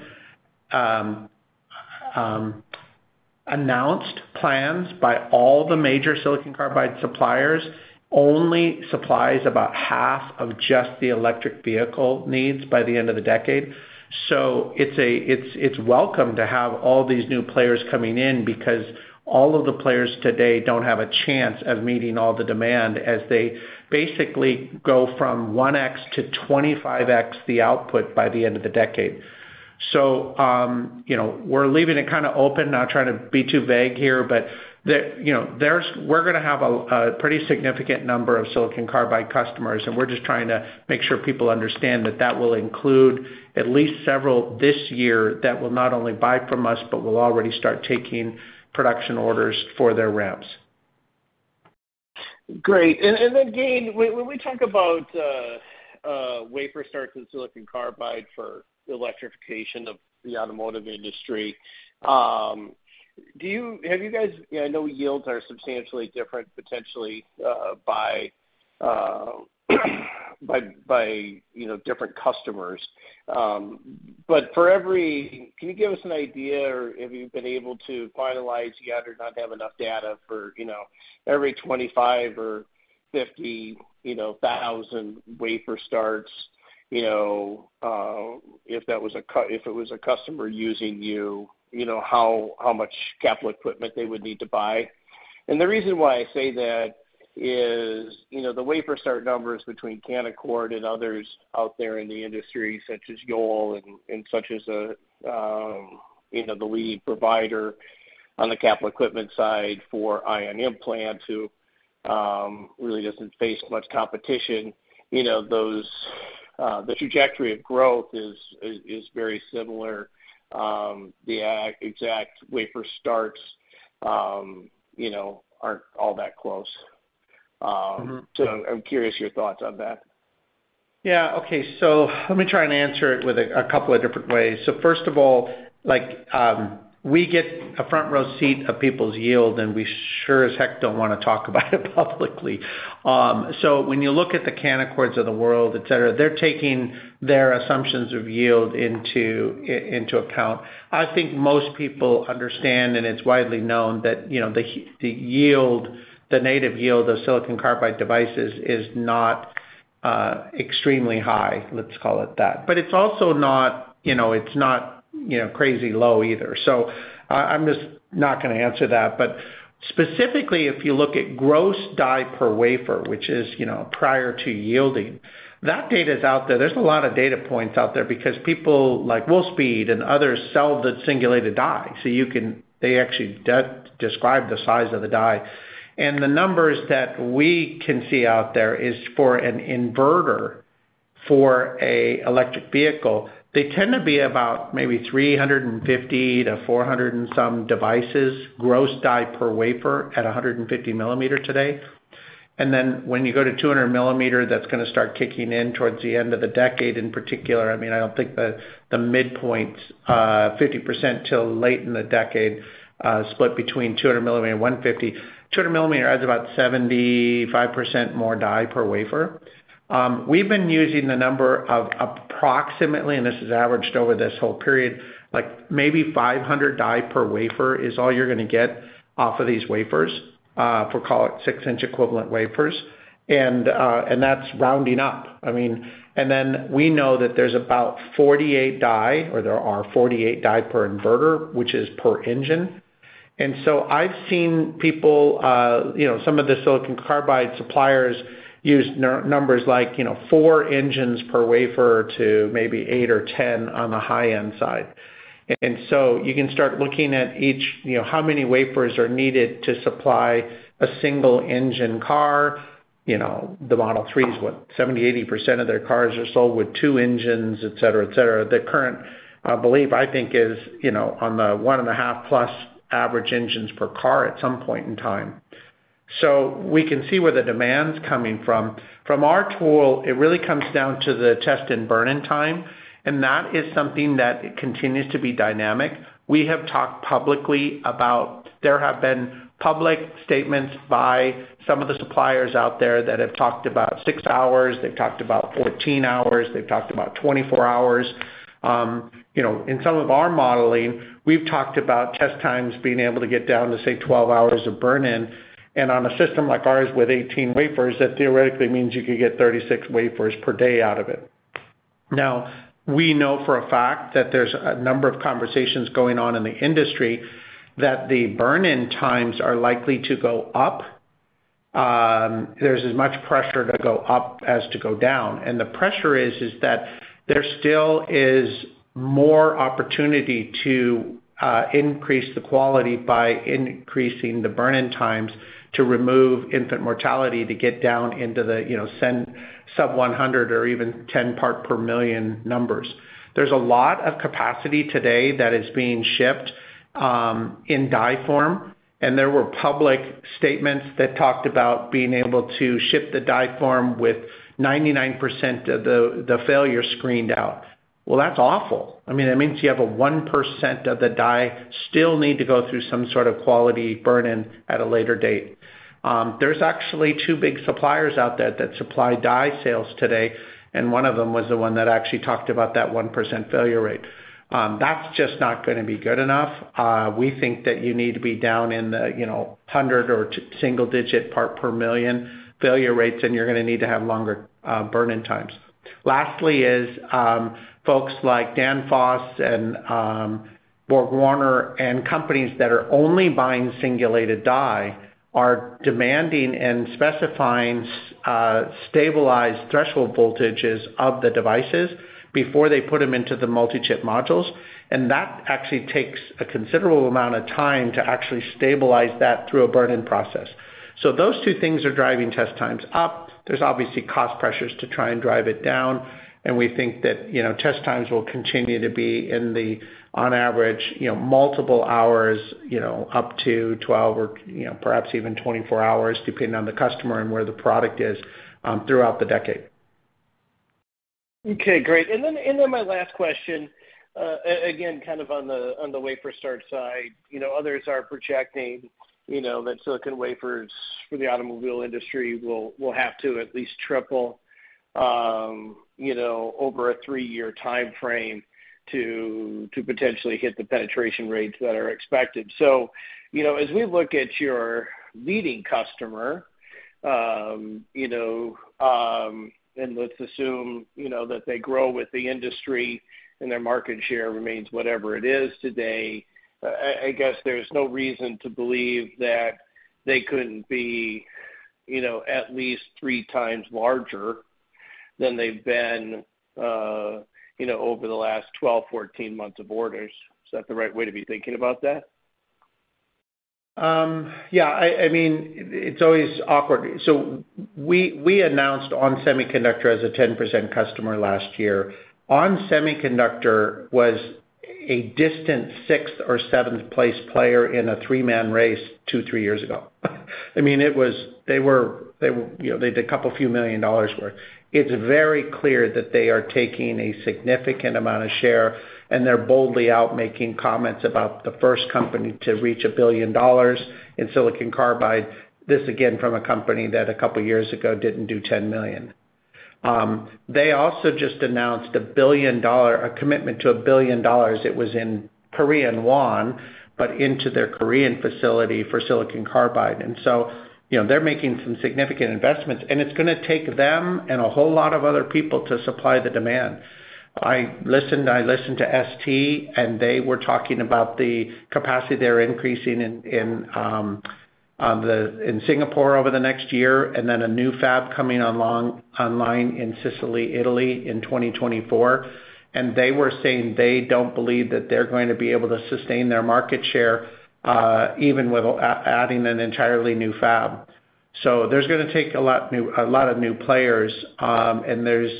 [SPEAKER 3] announced plans by all the major silicon carbide suppliers only supplies about 1/2 of just the electric vehicle needs by the end of the decade. It's welcome to have all these new players coming in because all of the players today don't have a chance of meeting all the demand as they basically go from 1x to 25x the output by the end of the decade. you know, we're leaving it kinda open, not trying to be too vague here, but you know, we're gonna have a pretty significant number of silicon carbide customers, and we're just trying to make sure people understand that that will include at least several this year that will not only buy from us, but will already start taking production orders for their ramps.
[SPEAKER 5] Great. Then, Gayn, when we talk about wafer starts in silicon carbide for electrification of the automotive industry, do you have you guys. I know yields are substantially different potentially by different customers. But for every. Can you give us an idea, or have you been able to finalize yet or not have enough data for, you know, every 25 or 50 thousand wafer starts, you know, if it was a customer using you know, how much capital equipment they would need to buy? The reason why I say that is, you know, the wafer start numbers between Canaccord and others out there in the industry, such as Yole, you know, the lead provider on the capital equipment side for ion implant, who really doesn't face much competition, you know, those, the trajectory of growth is very similar. The exact wafer starts, you know, aren't all that close.
[SPEAKER 3] Mm-hmm.
[SPEAKER 5] I'm curious your thoughts on that.
[SPEAKER 3] Yeah. Okay. Let me try and answer it with a couple of different ways. First of all, like, we get a front row seat of people's yield, and we sure as heck don't wanna talk about it publicly. When you look at the Canaccord of the world, et cetera, they're taking their assumptions of yield into account. I think most people understand, and it's widely known that, you know, the yield, the native yield of silicon carbide devices is not extremely high, let's call it that. But it's also not, you know, it's not, you know, crazy low either. I'm just not gonna answer that. But specifically, if you look at gross die per wafer, which is, you know, prior to yielding, that data's out there. There's a lot of data points out there because people like Wolfspeed and others sell the singulated die. They actually describe the size of the die. The numbers that we can see out there is for an inverter for a electric vehicle, they tend to be about maybe 350 to 400 and some devices, gross die per wafer at 150 millimeter today. Then when you go to 200 millimeter, that's gonna start kicking in towards the end of the decade in particular. I mean, I don't think the midpoint 50% till late in the decade, split between 200 millimeter and 150. 200 millimeter adds about 75% more die per wafer. We've been using the number of approximately, and this is averaged over this whole period, like maybe 500 die per wafer is all you're gonna get off of these wafers, for, call it 6-inch equivalent wafers. That's rounding up. I mean. Then we know that there's about 48 die, or there are 48 die per inverter, which is per engine. I've seen people, you know, some of the silicon carbide suppliers use numbers like, you know, 4 engines per wafer to maybe 8 or 10 on the high-end side. You can start looking at each, you know, how many wafers are needed to supply a single engine car. You know, the Model 3's, what? 70%-80% of their cars are sold with 2 engines, et cetera, et cetera. The current belief, I think, is, you know, on the 1.5+ average engines per car at some point in time. We can see where the demand's coming from. From our tool, it really comes down to the test and Burn-In time, and that is something that continues to be dynamic. We have talked publicly about. There have been public statements by some of the suppliers out there that have talked about 6 hours, they've talked about 14 hours, they've talked about 24 hours. You know, in some of our modeling, we've talked about test times being able to get down to, say, 12 hours of Burn-In. On a system like ours with 18 wafers, that theoretically means you could get 36 wafers per day out of it. Now, we know for a fact that there's a number of conversations going on in the industry that the Burn-In times are likely to go up. There's as much pressure to go up as to go down. The pressure is that there still is more opportunity to increase the quality by increasing the Burn-In times to remove infant mortality to get down into the, you know, sub 100 or even 10 parts per million numbers. There's a lot of capacity today that is being shipped in die form, and there were public statements that talked about being able to ship the die form with 99% of the failure screened out. Well, that's awful. I mean, it means you have a 1% of the die still need to go through some sort of quality Burn-In at a later date. There's actually 2 big suppliers out there that supply die sales today, and one of them was the one that actually talked about that 1% failure rate. That's just not gonna be good enough. We think that you need to be down in the, you know, hundred- or ten- to single-digit parts per million failure rates, and you're gonna need to have longer Burn-In times. Lastly is, folks like Danfoss and BorgWarner and companies that are only buying singulated die are demanding and specifying stabilized threshold voltages of the devices before they put them into the Multi-Chip modules, and that actually takes a considerable amount of time to actually stabilize that through a Burn-In process. Those 2 things are driving test times up. There's obviously cost pressures to try and drive it down, and we think that, you know, test times will continue to be in the, on average, you know, multiple hours, you know, up to 12 or, you know, perhaps even 24 hours, depending on the customer and where the product is, throughout the decade.
[SPEAKER 5] Okay, great. My last question, again, kind of on the wafer start side. You know, others are projecting, you know, that silicon wafers for the automobile industry will have to at least triple, you know, over a 3-year timeframe to potentially hit the penetration rates that are expected. You know, as we look at your leading customer, you know, and let's assume, you know, that they grow with the industry and their market share remains whatever it is today, I guess there's no reason to believe that they couldn't be, you know, at least 3 times larger than they've been, you know, over the last 12-14 months of orders. Is that the right way to be thinking about that?
[SPEAKER 3] I mean, it's always awkward. We announced onsemi as a 10% customer last year. onsemi was a distant 6th or 7th place player in a 3-man race 2 or 3 years ago. I mean, they were, you know, they did a couple few million dollars' worth. It's very clear that they are taking a significant amount of share, and they're boldly out making comments about the first company to reach $1 billion in silicon carbide. This, again, from a company that a couple years ago didn't do $10 million. They also just announced a commitment to $1 billion, it was in Korean won, but into their Korean facility for silicon carbide. You know, they're making some significant investments, and it's gonna take them and a whole lot of other people to supply the demand. I listened to ST, and they were talking about the capacity they're increasing in Singapore over the next year, and then a new fab coming along online in Sicily, Italy in 2024. They were saying they don't believe that they're going to be able to sustain their market share, even with adding an entirely new fab. There's gonna take a lot of new players, and there's,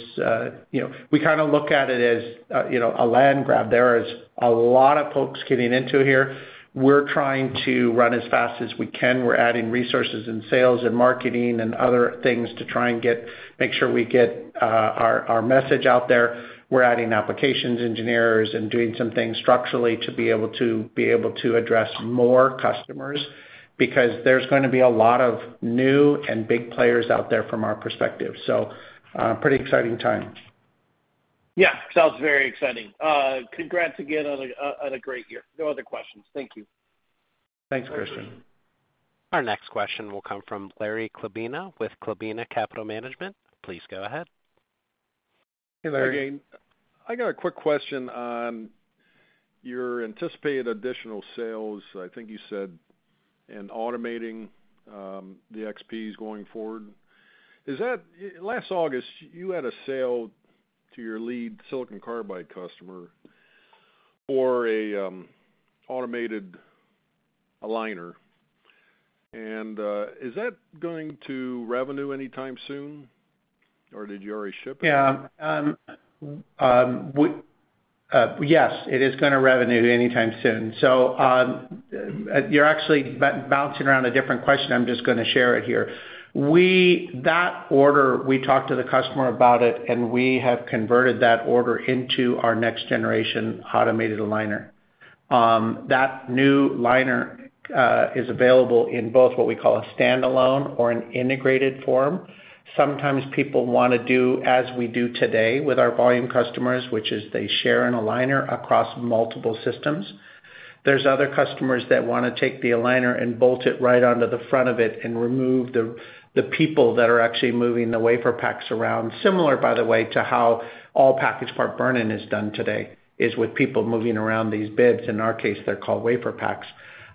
[SPEAKER 3] you know, we kind of look at it as, you know, a land grab. There is a lot of folks getting into here. We're trying to run as fast as we can. We're adding resources in sales and marketing and other things to make sure we get our message out there. We're adding applications engineers and doing some things structurally to be able to address more customers because there's gonna be a lot of new and big players out there from our perspective. Pretty exciting time.
[SPEAKER 5] Yeah. Sounds very exciting. Congrats again on a great year. No other questions. Thank you.
[SPEAKER 3] Thanks, Christian.
[SPEAKER 1] Our next question will come from Larry Chlebina with Chlebina Capital Management. Please go ahead.
[SPEAKER 3] Hey, Larry.
[SPEAKER 6] Hi again. I got a quick question on your anticipated additional sales, I think you said, in automating the XPs going forward. Last August, you had a sale to your leading silicon carbide customer for a automated aligner, and is that going to revenue anytime soon, or did you already ship it?
[SPEAKER 3] Yes, it is gonna be revenue anytime soon. You're actually bouncing around a different question, I'm just gonna share it here. That order, we talked to the customer about it, and we have converted that order into our next generation automated aligner. That new aligner is available in both what we call a standalone or an integrated form. Sometimes people wanna do as we do today with our volume customers, which is they share an aligner across multiple systems. There's other customers that wanna take the aligner and bolt it right onto the front of it and remove the people that are actually moving the Waferpak around. Similar, by the way, to how all package part Burn-In is done today, with people moving around these dies. In our case, they're called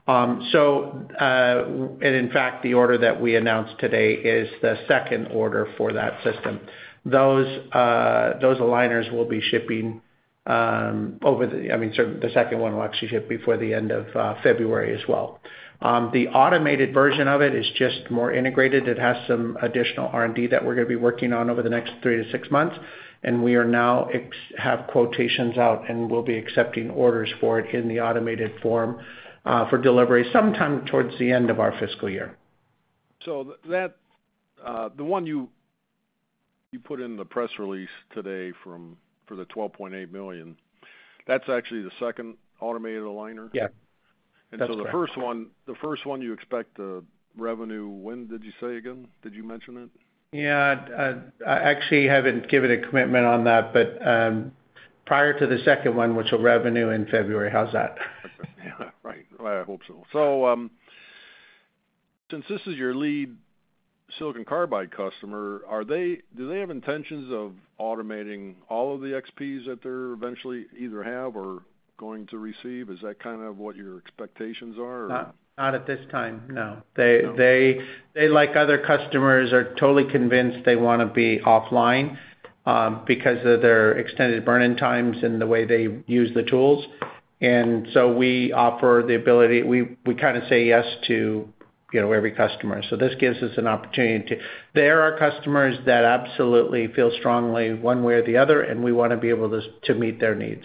[SPEAKER 3] Waferpak. In fact, the order that we announced today is the second order for that system. Those aligners will be shipping. I mean, sort of, the second one will actually ship before the end of February as well. The automated version of it is just more integrated. It has some additional R&D that we're gonna be working on over the next 3 to 6 months, and we now have quotations out, and we'll be accepting orders for it in the automated form for delivery sometime towards the end of our fiscal year.
[SPEAKER 6] That the one you put in the press release today from for the $12.8 million, that's actually the second automated aligner?
[SPEAKER 3] Yeah. That's correct.
[SPEAKER 6] The first one you expect to revenue, when did you say again? Did you mention it?
[SPEAKER 3] Yeah. I actually haven't given a commitment on that, but prior to the second one, which will revenue in February. How's that?
[SPEAKER 6] Yeah, right. Well, I hope so. Since this is your lead silicon carbide customer, do they have intentions of automating all of the XPs that they're eventually either have or going to receive? Is that kind of what your expectations are, or?
[SPEAKER 3] Not at this time, no.
[SPEAKER 6] No.
[SPEAKER 3] They like other customers, are totally convinced they wanna be offline because of their extended Burn-In times and the way they use the tools. We offer the ability. We kind of say yes to, you know, every customer. This gives us an opportunity. There are customers that absolutely feel strongly one way or the other, and we wanna be able to meet their needs.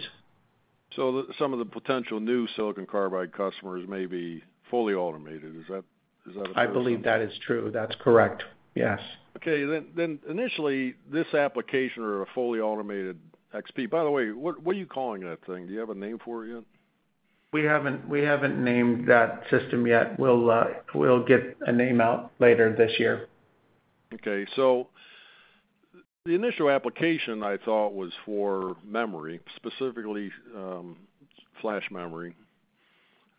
[SPEAKER 6] Some of the potential new silicon carbide customers may be fully automated. Is that a fair assumption?
[SPEAKER 3] I believe that is true. That's correct. Yes.
[SPEAKER 6] Okay. Initially, this application or a fully automated XP. By the way, what are you calling that thing? Do you have a name for it yet?
[SPEAKER 3] We haven't named that system yet. We'll get a name out later this year.
[SPEAKER 6] The initial application I thought was for memory, specifically flash memory,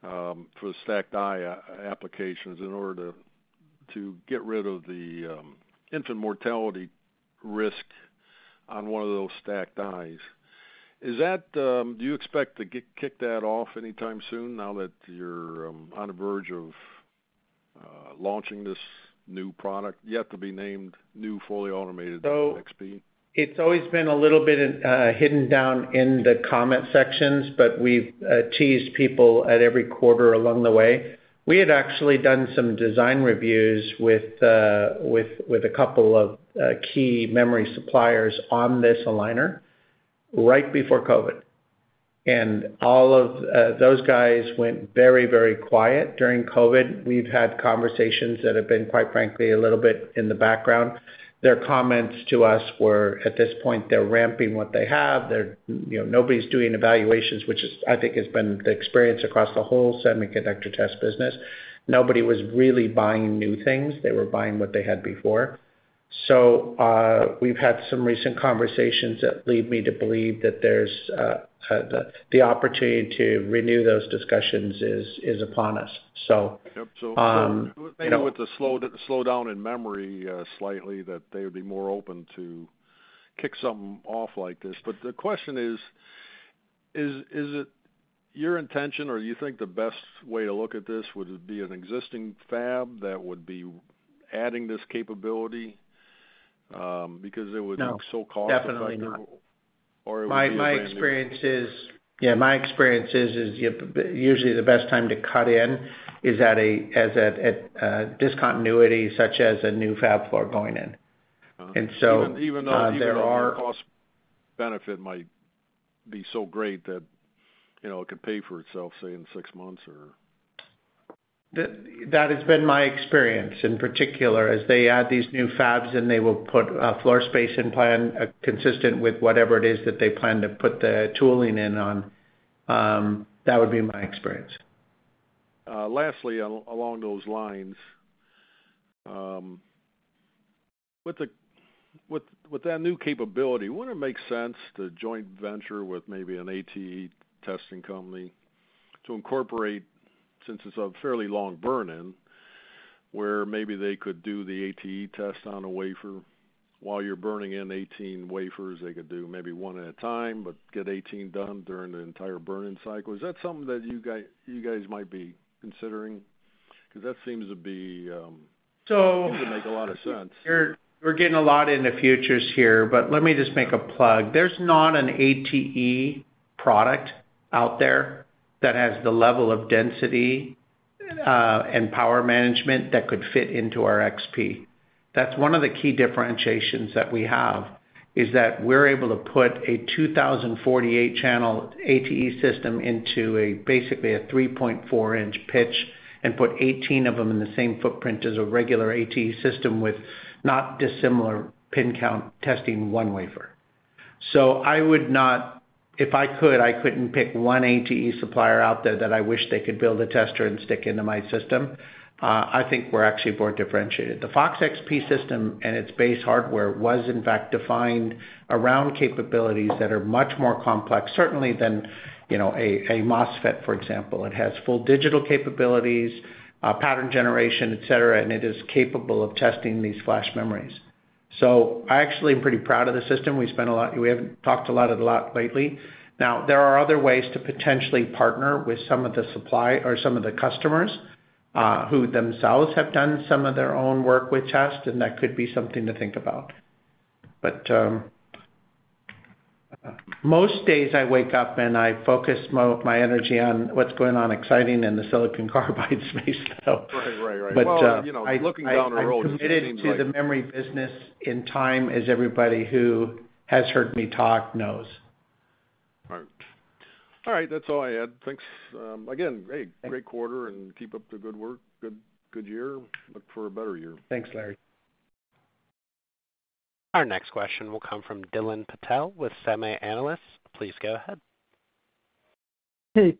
[SPEAKER 6] for the stacked die applications in order to get rid of the infant mortality risk on one of those stacked dies. Is that? Do you expect to kick that off anytime soon now that you're on the verge of launching this new product yet to be named new fully automated XP?
[SPEAKER 3] It's always been a little bit hidden down in the comment sections, but we've teased people at every 1/4 along the way. We had actually done some design reviews with a couple of key memory suppliers on this aligner right before COVID. All of those guys went very, very quiet during COVID. We've had conversations that have been, quite frankly, a little bit in the background. Their comments to us were, at this point, they're ramping what they have. They're nobody's doing evaluations, which I think has been the experience across the whole semiconductor test business. Nobody was really buying new things. They were buying what they had before. We've had some recent conversations that lead me to believe that the opportunity to renew those discussions is upon us.
[SPEAKER 6] Yep.
[SPEAKER 3] Um.
[SPEAKER 6] Maybe with the slowdown in memory slightly that they would be more open to kick something off like this. The question is it your intention or you think the best way to look at this, would it be an existing fab that would be adding this capability, because it would
[SPEAKER 3] No.
[SPEAKER 6] be so cost effective?
[SPEAKER 3] Definitely not.
[SPEAKER 6] Or it would be a brand new-
[SPEAKER 3] My experience is usually the best time to cut in is at a discontinuity such as a new fab floor going in.
[SPEAKER 6] Ah.
[SPEAKER 3] There are.
[SPEAKER 6] Even though the cost benefit might be so great that, you know, it could pay for itself, say, in 6 months or.
[SPEAKER 3] That has been my experience in particular as they add these new fabs in, they will put floor space and plan consistent with whatever it is that they plan to put the tooling in on. That would be my experience.
[SPEAKER 6] Last, along those lines, with that new capability, wouldn't it make sense to joint venture with maybe an ATE testing company to incorporate, since it's a fairly long Burn-In, where maybe they could do the ATE test on a wafer? While you're burning in 18 wafers, they could do maybe one at a time, but get 18 done during the entire Burn-In cycle. Is that something that you guys might be considering? Because that seems to be
[SPEAKER 3] So-
[SPEAKER 6] Seems to make a lot of sense.
[SPEAKER 3] We're getting a lot into futures here, but let me just make a plug. There's not an ATE product out there that has the level of density and power management that could fit into our XP. That's one of the key differentiations that we have, is that we're able to put a 2048-Channel ATE system into basically a 3.4-inch pitch and put 18 of them in the same footprint as a regular ATE system with not dissimilar pin count testing one wafer. I would not. If I could, I couldn't pick one ATE supplier out there that I wish they could build a tester and stick into my system. I think we're actually more differentiated. The Fox XP system and its base hardware was in fact defined around capabilities that are much more complex, certainly than you know a MOSFET, for example. It has full digital capabilities, pattern generation, et cetera, and it is capable of testing these flash memories. I actually am pretty proud of the system. We spent a lot. We haven't talked a lot lately. Now, there are other ways to potentially partner with some of the supply or some of the customers, who themselves have done some of their own work with test, and that could be something to think about. Most days I wake up, and I focus my energy on what's going on exciting in the silicon carbide space.
[SPEAKER 6] Right.
[SPEAKER 3] But, uh-
[SPEAKER 6] Well, you know, looking down the road, it seems like.
[SPEAKER 3] I'm committed to the memory business in time as everybody who has heard me talk knows.
[SPEAKER 6] All right. That's all I had. Thanks, again. Hey, great 1/4, and keep up the good work. Good year. Look for a better year.
[SPEAKER 3] Thanks, Larry.
[SPEAKER 1] Our next question will come from Dylan Patel with SemiAnalysis. Please go ahead.
[SPEAKER 7] Hey,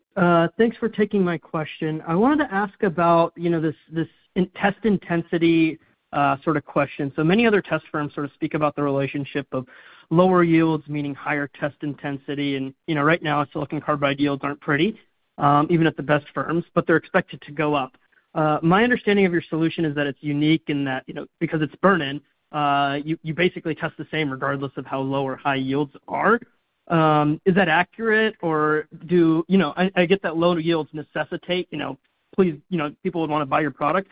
[SPEAKER 7] thanks for taking my question. I wanted to ask about, you know, this in-test intensity sort of question. Many other test firms sort of speak about the relationship of lower yields, meaning higher test intensity. You know, right now, silicon carbide yields aren't pretty, even at the best firms, but they're expected to go up. My understanding of your solution is that it's unique in that, you know, because it's Burn-In, you basically test the same regardless of how low or high yields are. Is that accurate? You know, I get that low yields necessitate, you know, that, you know, people would wanna buy your product.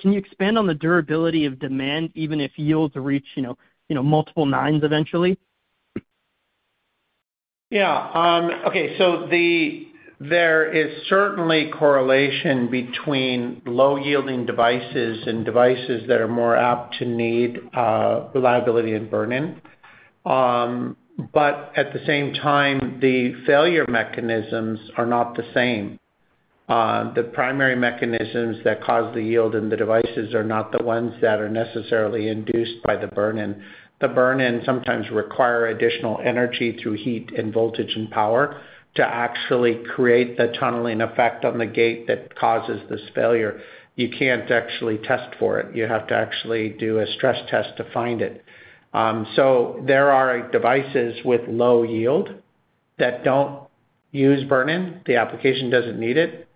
[SPEAKER 7] Can you expand on the durability of demand even if yields reach, you know, multiple 9s eventually?
[SPEAKER 3] Yeah. Okay, there is certainly correlation between Low-Yielding devices and devices that are more apt to need reliability and Burn-In. At the same time, the failure mechanisms are not the same. The primary mechanisms that cause the yield in the devices are not the ones that are necessarily induced by the Burn-In. The Burn-In sometimes require additional energy through heat and voltage and power to actually create the tunneling effect on the gate that causes this failure. You can't actually test for it. You have to actually do a stress test to find it. There are devices with low yield that don't use Burn-In. The application doesn't need it.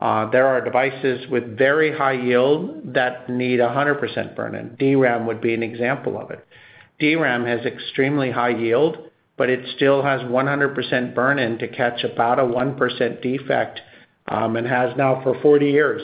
[SPEAKER 3] There are devices with very high yield that need 100% Burn-In. DRAM would be an example of it. DRAM has extremely high yield, but it still has 100% Burn-In to catch about a 1% defect, and has now for 40 years.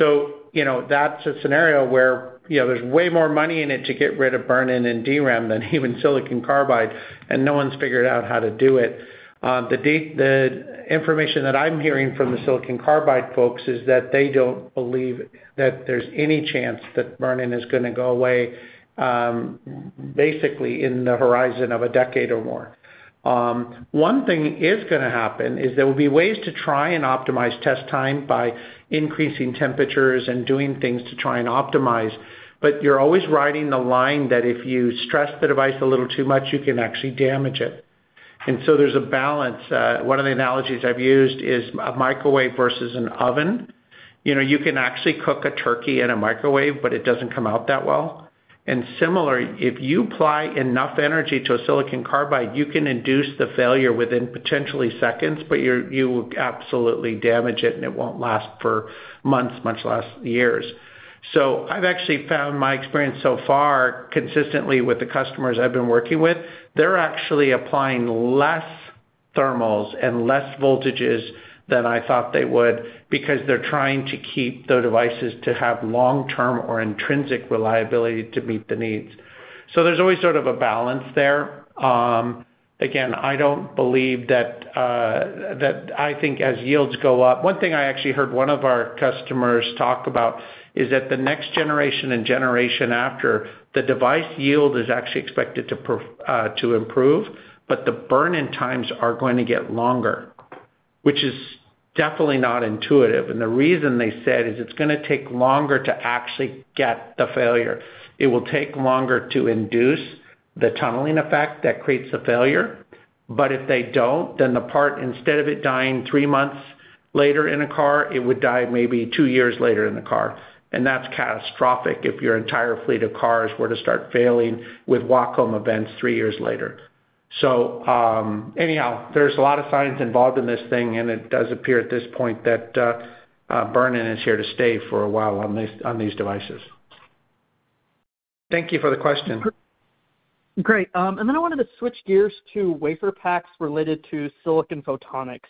[SPEAKER 3] You know, that's a scenario where, you know, there's way more money in it to get rid of Burn-In and DRAM than even silicon carbide, and no one's figured out how to do it. The information that I'm hearing from the silicon carbide folks is that they don't believe that there's any chance that Burn-In is gonna go away, basically in the horizon of a decade or more. One thing is gonna happen is there will be ways to try and optimize test time by increasing temperatures and doing things to try and optimize. You're always riding the line that if you stress the device a little too much, you can actually damage it. There's a balance. One of the analogies I've used is a microwave versus an oven. You know, you can actually cook a turkey in a microwave, but it doesn't come out that well. Similarly, if you apply enough energy to a silicon carbide, you can induce the failure within potentially seconds, but you will absolutely damage it, and it won't last for months, much less years. I've actually found my experience so far consistently with the customers I've been working with, they're actually applying less thermals and less voltages than I thought they would because they're trying to keep the devices to have long-term or intrinsic reliability to meet the needs. There's always sort of a balance there. Again, I don't believe that I think as yields go up. One thing I actually heard one of our customers talk about is that the next generation and generation after, the device yield is actually expected to improve, but the Burn-In times are going to get longer, which is definitely not intuitive. The reason they said is it's gonna take longer to actually get the failure. It will take longer to induce the tunneling effect that creates the failure. If they don't, then the part, instead of it dying 3 months later in a car, it would die maybe 2 years later in the car. That's catastrophic if your entire fleet of cars were to start failing with walk-home events 3 years later. There's a lot of science involved in this thing, and it does appear at this point that Burn-In is here to stay for a while on these devices. Thank you for the question.
[SPEAKER 7] Great. I wanted to switch gears to WaferPak related to silicon photonics.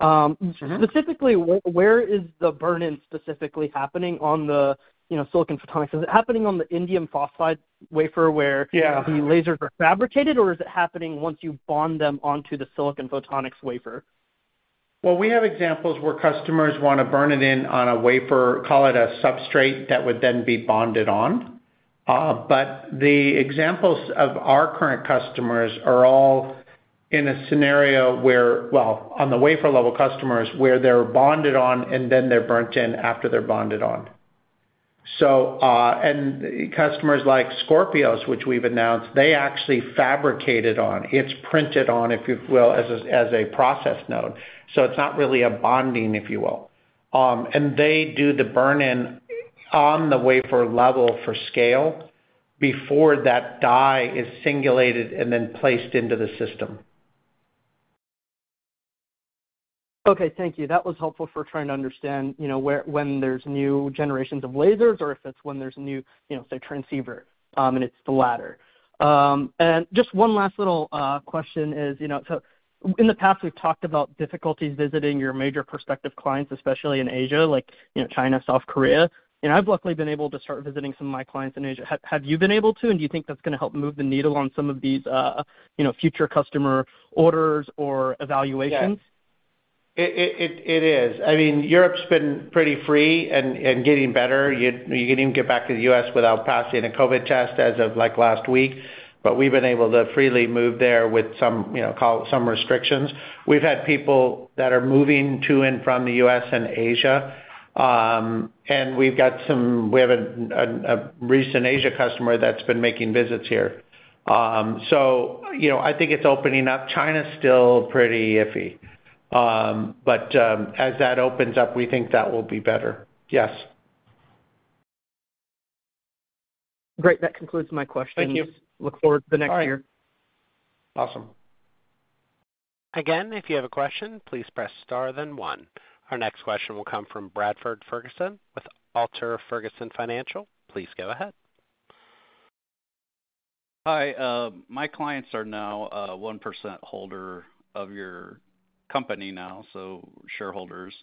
[SPEAKER 3] Mm-hmm.
[SPEAKER 7] Specifically, where is the Burn-In specifically happening on the, you know, silicon photonics? Is it happening on the indium phosphide wafer where-
[SPEAKER 3] Yeah
[SPEAKER 7] the lasers are fabricated, or is it happening once you bond them onto the silicon photonics wafer?
[SPEAKER 3] We have examples where customers wanna burn it in on a wafer, call it a substrate that would then be bonded on. But the examples of our current customers are all in a scenario where on the wafer level customers, where they're bonded on and then they're burnt in after they're bonded on. Customers like Scintil Photonics, which we've announced, they actually fabricate it on. It's printed on, if you will, as a process node. It's not really a bonding, if you will. They do the Burn-In on the wafer level for scale before that die is singulated and then placed into the system.
[SPEAKER 7] Okay, thank you. That was helpful for trying to understand, you know, when there's new generations of lasers or if it's when there's new, you know, say, transceiver, and it's the latter. Just one last little question is, you know, in the past, we've talked about difficulties visiting your major prospective clients, especially in Asia, like, you know, China, South Korea. You know, I've luckily been able to start visiting some of my clients in Asia. Have you been able to, and do you think that's gonna help move the needle on some of these, you know, future customer orders or evaluations?
[SPEAKER 3] Yes. It is. I mean, Europe's been pretty free and getting better. You can even get back to the U.S. without passing a COVID test as of, like, last week. We've been able to freely move there with some, you know, call it some restrictions. We've had people that are moving to and from the U.S. and Asia. We have a recent Asia customer that's been making visits here. You know, I think it's opening up. China's still pretty iffy. As that opens up, we think that will be better. Yes.
[SPEAKER 7] Great. That concludes my questions.
[SPEAKER 3] Thank you.
[SPEAKER 7] Look forward to the next year.
[SPEAKER 3] All right. Awesome.
[SPEAKER 1] Again, if you have a question, please press star then one. Our next question will come from Bradford J. Fergus with Halter Ferguson Financial. Please go ahead.
[SPEAKER 8] Hi. My clients are now a 1% holder of your company now, so shareholders.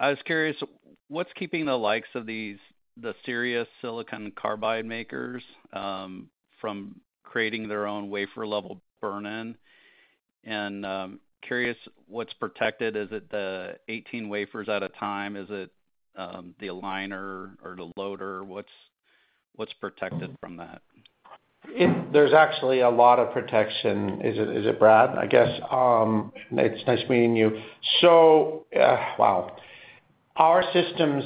[SPEAKER 8] I was curious, what's keeping the likes of these, the serious silicon carbide makers, from creating their own wafer-level Burn-In? Curious what's protected. Is it the 18 wafers at a time? Is it the aligner or the loader? What's protected from that?
[SPEAKER 3] There's actually a lot of protection. Is it Bradford? I guess, it's nice meeting you. Wow. Our systems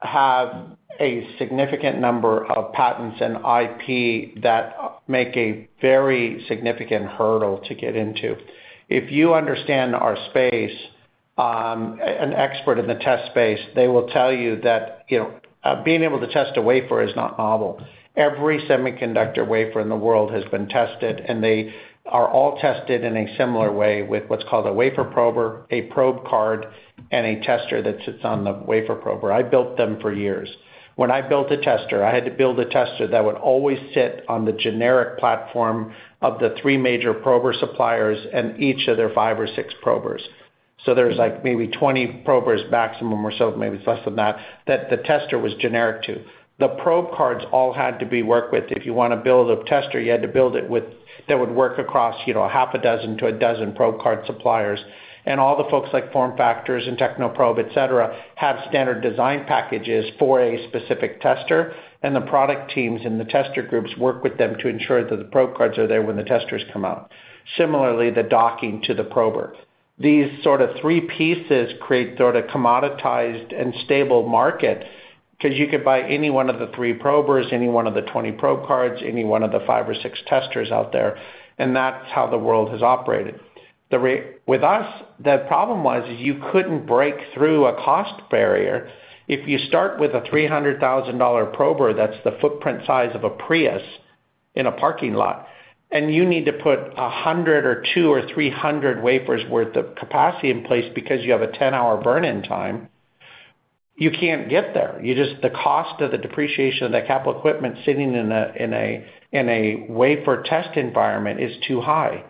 [SPEAKER 3] have a significant number of patents and IP that make a very significant hurdle to get into. If you understand our space, an expert in the test space, they will tell you that, you know, being able to test a wafer is not novel. Every semiconductor wafer in the world has been tested, and they are all tested in a similar way with what's called a wafer prober, a probe card, and a tester that sits on the wafer prober. I built them for years. When I built a tester, I had to build a tester that would always sit on the generic platform of the 3 major prober suppliers and each of their 5 or 6 probers. There's like maybe 20 probers maximum or so, maybe it's less than that the tester was generic to. The probe cards all had to be worked with. If you wanna build a tester, you had to build it with that would work across, you know, 1/2 a dozen to a dozen probe card suppliers. All the folks like FormFactor and Technoprobe, et cetera, have standard design packages for a specific tester, and the product teams and the tester groups work with them to ensure that the probe cards are there when the testers come out. Similarly, the docking to the prober. These sort of 3 pieces create sort of commoditized and stable market because you could buy any one of the 3 probers, any one of the 20 probe cards, any one of the 5 or 6 testers out there, and that's how the world has operated. With us, the problem was you couldn't break through a cost barrier. If you start with a $300,000 prober that's the footprint size of a Prius in a parking lot, and you need to put 100 or 200 or 300 wafers worth of capacity in place because you have a 10-hour Burn-In time, you can't get there. The cost of the depreciation of the capital equipment sitting in a wafer test environment is too high.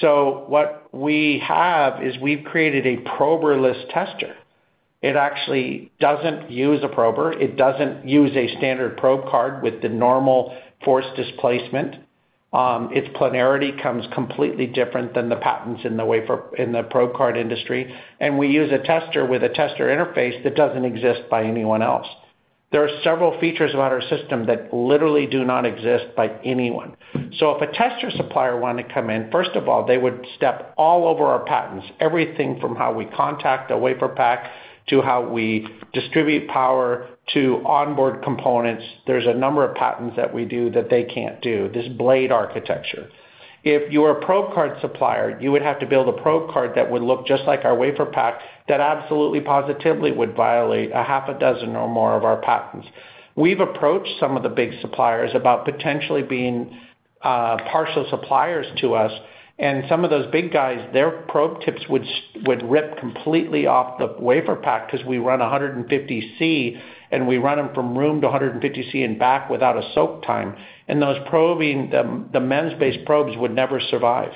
[SPEAKER 3] What we have is we've created a proberless tester. It actually doesn't use a prober. It doesn't use a standard probe card with the normal force displacement. Its planarity comes completely different than the patents in the probe card industry. We use a tester with a tester interface that doesn't exist by anyone else. There are several features about our system that literally do not exist anywhere. If a tester supplier wanted to come in, first of all, they would step all over our patents, everything from how we contact a WaferPak to how we distribute power to onboard components. There's a number of patents that we do that they can't do, this blade architecture. If you're a probe card supplier, you would have to build a probe card that would look just like our WaferPak that absolutely positively would violate a 1/2 a dozen or more of our patents. We've approached some of the big suppliers about potentially being partial suppliers to us, and some of those big guys, their probe tips would rip completely off the WaferPak because we run 150 degrees Celsius, and we run them from room to 150 degrees Celsius and back without a soak time. Those probing MEMS-based probes would never survive.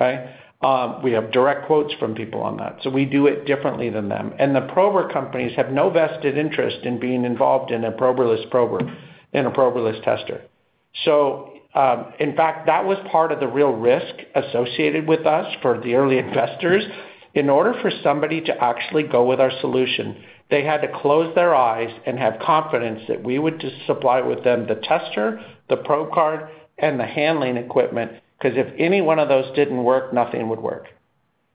[SPEAKER 3] We have direct quotes from people on that. We do it differently than them. The prober companies have no vested interest in being involved in a proberless tester. In fact, that was part of the real risk associated with us for the early investors. In order for somebody to actually go with our solution, they had to close their eyes and have confidence that we would just supply with them the tester, the probe card, and the handling equipment, because if any one of those didn't work, nothing would work.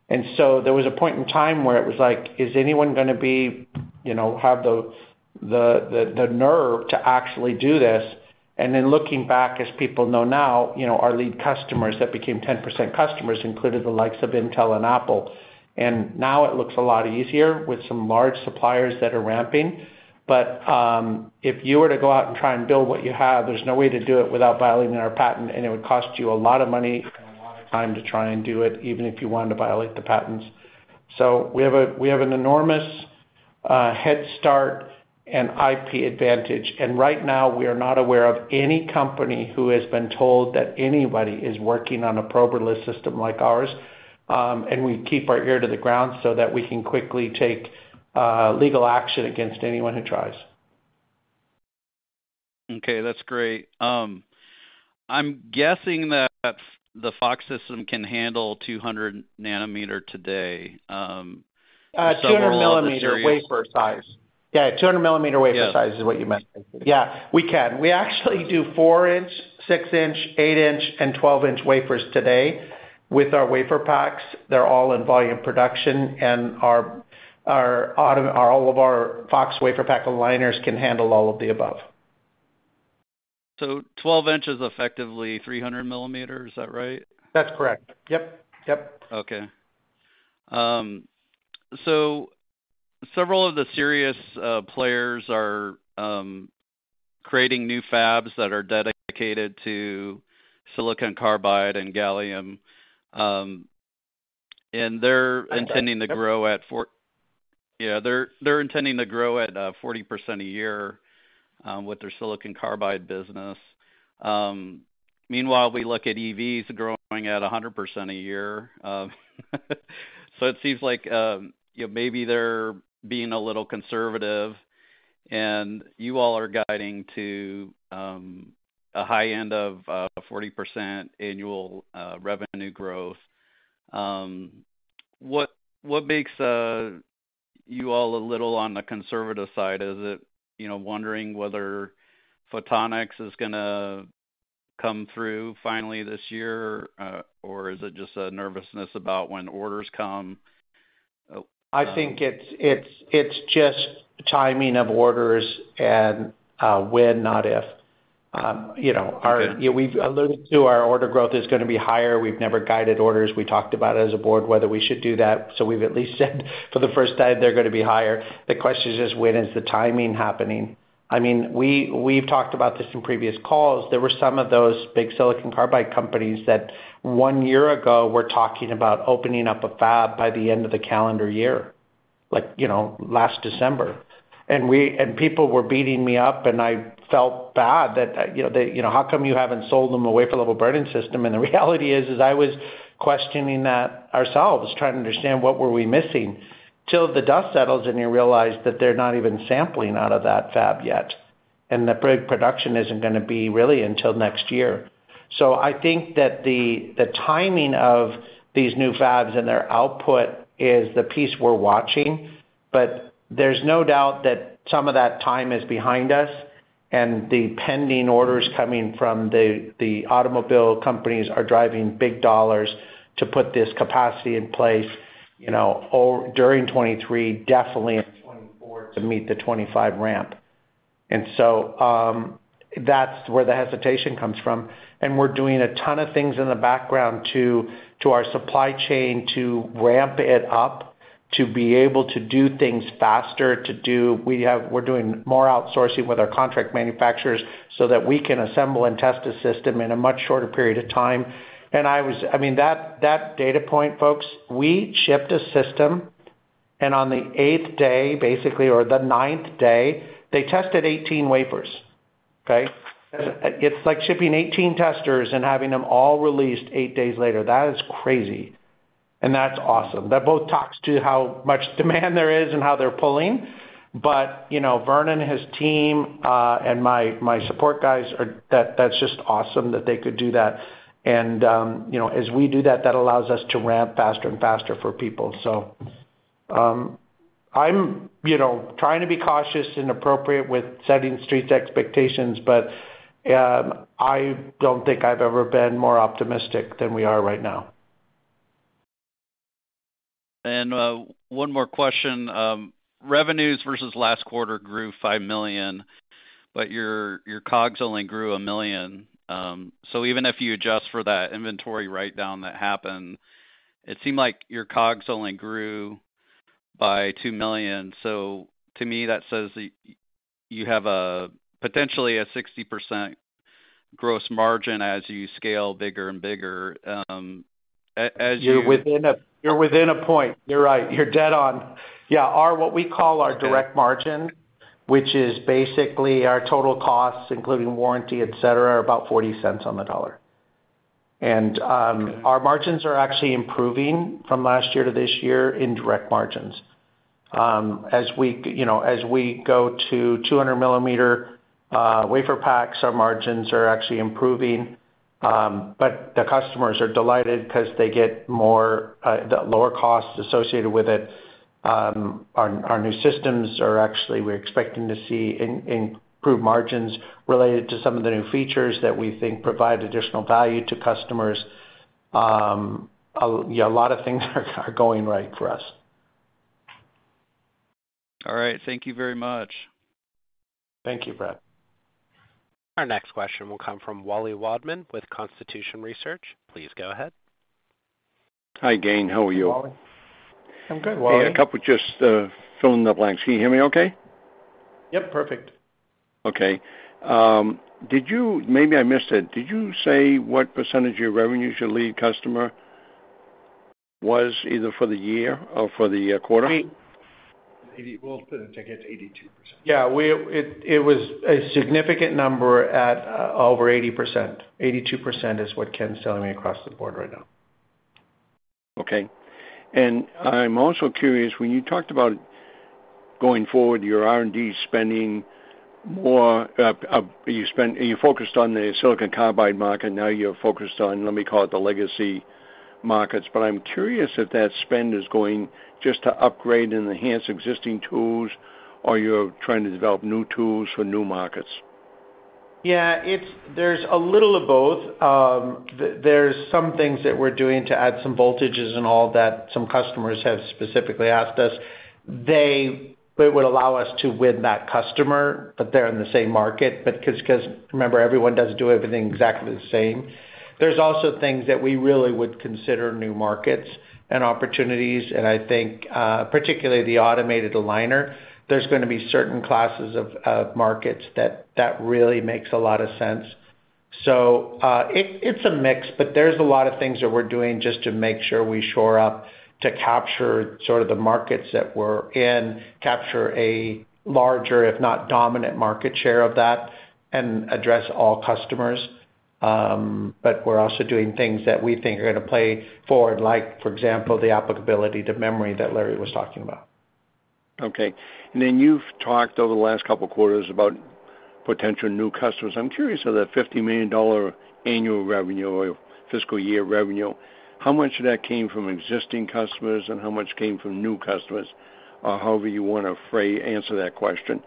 [SPEAKER 3] There was a point in time where it was like, is anyone gonna be, you know, have the nerve to actually do this? Looking back, as people know now, you know, our lead customers that became 10% customers included the likes of Intel and Apple. Now it looks a lot easier with some large suppliers that are ramping. If you were to go out and try and build what you have, there's no way to do it without violating our patent, and it would cost you a lot of money and a lot of time to try and do it, even if you wanted to violate the patents. We have an enormous head start and IP advantage. Right now we are not aware of any company who has been told that anybody is working on a proberless system like ours. We keep our ear to the ground so that we can quickly take legal action against anyone who tries.
[SPEAKER 8] Okay, that's great. I'm guessing that the FOX system can handle 200 nanometer today.
[SPEAKER 3] 200 millimeter wafer size.
[SPEAKER 8] Yeah.
[SPEAKER 3] This is what you meant. Yeah, we can. We actually do 4-inch, 6-inch, 8-inch, and 12-inch wafers today with our WaferPaks. They're all in volume production, and all of our FOX WaferPak aligners can handle all of the above.
[SPEAKER 8] 12 inches, effectively 300 millimeters. Is that right?
[SPEAKER 3] That's correct. Yep. Yep.
[SPEAKER 8] Okay. Several of the serious players are creating new fabs that are dedicated to silicon carbide and gallium, and they're
[SPEAKER 3] Yep.
[SPEAKER 8] Yeah, they're intending to grow at 40% a year with their silicon carbide business. Meanwhile, we look at EVs growing at 100% a year. It seems like, you know, maybe they're being a little conservative, and you all are guiding to a high end of 40% annual revenue growth. What makes you all a little on the conservative side? Is it, you know, wondering whether photonics is gonna come through finally this year? Or is it just a nervousness about when orders come?
[SPEAKER 3] I think it's just timing of orders and when, not if. You know, our-
[SPEAKER 8] Okay.
[SPEAKER 3] You know, we've alluded to our order growth is gonna be higher. We've never guided orders. We talked about it as a board, whether we should do that, so we've at least said for the first time they're gonna be higher. The question is just when is the timing happening? I mean, we've talked about this in previous calls. There were some of those big silicon carbide companies that one year ago were talking about opening up a fab by the end of the calendar year, like, you know, last December. People were beating me up, and I felt bad that, you know, they, you know, "How come you haven't sold them a wafer-level Burn-In system?" The reality is I was questioning that ourselves, trying to understand what were we missing. Until the dust settles, and you realize that they're not even sampling out of that fab yet, and that production isn't gonna be really until next year. I think that the timing of these new fabs and their output is the piece we're watching. There's no doubt that some of that time is behind us, and the pending orders coming from the automobile companies are driving big dollars to put this capacity in place, you know, or during 2023, definitely in 2024 to meet the 2025 ramp. That's where the hesitation comes from. We're doing a ton of things in the background to our supply chain to ramp it up, to be able to do things faster. We're doing more outsourcing with our contract manufacturers so that we can assemble and test the system in a much shorter period of time. I mean, that data point, folks, we shipped a system, and on the 8h day, basically, or the ninth day, they tested 18 wafers, okay. It's like shipping 18 testers and having them all released 8 days later. That is crazy. That's awesome. That both talks to how much demand there is and how they're pulling. You know, Vernon and his team and my support guys. That's just awesome that they could do that. You know, as we do that allows us to ramp faster and faster for people. I'm, you know, trying to be cautious and appropriate with setting Street's expectations, but I don't think I've ever been more optimistic than we are right now.
[SPEAKER 8] One more question. Revenues versus last 1/4 grew $5 million, but your COGS only grew $1 million. Even if you adjust for that inventory Write-Down that happened, it seemed like your COGS only grew by $2 million. To me, that says that you have potentially a 60% gross margin as you scale bigger and bigger.
[SPEAKER 3] You're within a point. You're right. You're dead on. Yeah, our what we call our direct margin, which is basically our total costs, including warranty, et cetera, are about 40 cents on the dollar. Our margins are actually improving from last year to this year in direct margins. As we go to 200-millimeter WaferPaks, our margins are actually improving. But the customers are delighted 'cause they get more lower costs associated with it. Our new systems are actually, we're expecting to see improved margins related to some of the new features that we think provide additional value to customers. A lot of things are going right for us.
[SPEAKER 8] All right. Thank you very much.
[SPEAKER 3] Thank you, Brad.
[SPEAKER 1] Our next question will come from Wallace Wadman with Constitution Research. Please go ahead.
[SPEAKER 9] Hi, Gayn. How are you?
[SPEAKER 3] Wallace.
[SPEAKER 9] I'm good, Wallace. A couple just filling in the blanks. Can you hear me okay?
[SPEAKER 3] Yep, perfect.
[SPEAKER 9] Okay. Maybe I missed it. Did you say what percentage of your revenue is your lead customer was either for the year or for the 1/4?
[SPEAKER 4] We- 80. We'll put it together, it's 82%.
[SPEAKER 3] It was a significant number at over 80%. 82% is what Ken's telling me across the board right now.
[SPEAKER 9] Okay. I'm also curious, when you talked about going forward, your R&D spending more, you focused on the silicon carbide market, now you're focused on, let me call it, the legacy markets. I'm curious if that spend is going just to upgrade and enhance existing tools, or you're trying to develop new tools for new markets.
[SPEAKER 3] Yeah, it's, there's a little of both. There's some things that we're doing to add some voltages and all that some customers have specifically asked us. It would allow us to win that customer, but they're in the same market, but 'cause remember, everyone doesn't do everything exactly the same. There's also things that we really would consider new markets and opportunities, and I think, particularly the automated aligner, there's gonna be certain classes of markets that really makes a lot of sense. It's a mix, but there's a lot of things that we're doing just to make sure we shore up to capture sort of the markets that we're in, capture a larger, if not dominant market share of that, and address all customers. We're also doing things that we think are gonna play forward, like for example, the applicability to memory that Larry was talking about.
[SPEAKER 9] Okay. You've talked over the last couple quarters about potential new customers. I'm curious, of that $50 million annual revenue or fiscal year revenue, how much of that came from existing customers and how much came from new customers, or however you wanna answer that question?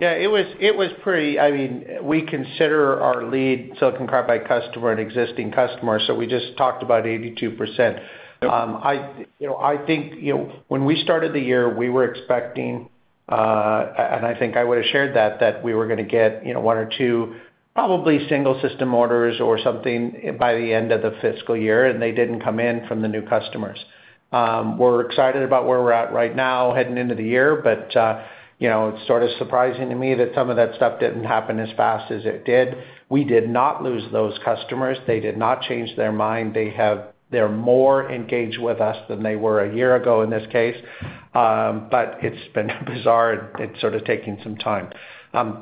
[SPEAKER 3] Yeah, it was pretty. I mean, we consider our lead silicon carbide customer an existing customer, so we just talked about 82%. You know, I think, you know, when we started the year, we were expecting, and I think I would've shared that we were gonna get, you know, 1 or 2 probably single system orders or something by the end of the fiscal year, and they didn't come in from the new customers. We're excited about where we're at right now heading into the year, but, you know, it's sort of surprising to me that some of that stuff didn't happen as fast as it did. We did not lose those customers. They did not change their mind. They're more engaged with us than they were a year ago in this case. It's been bizarre, and it's sort of taking some time.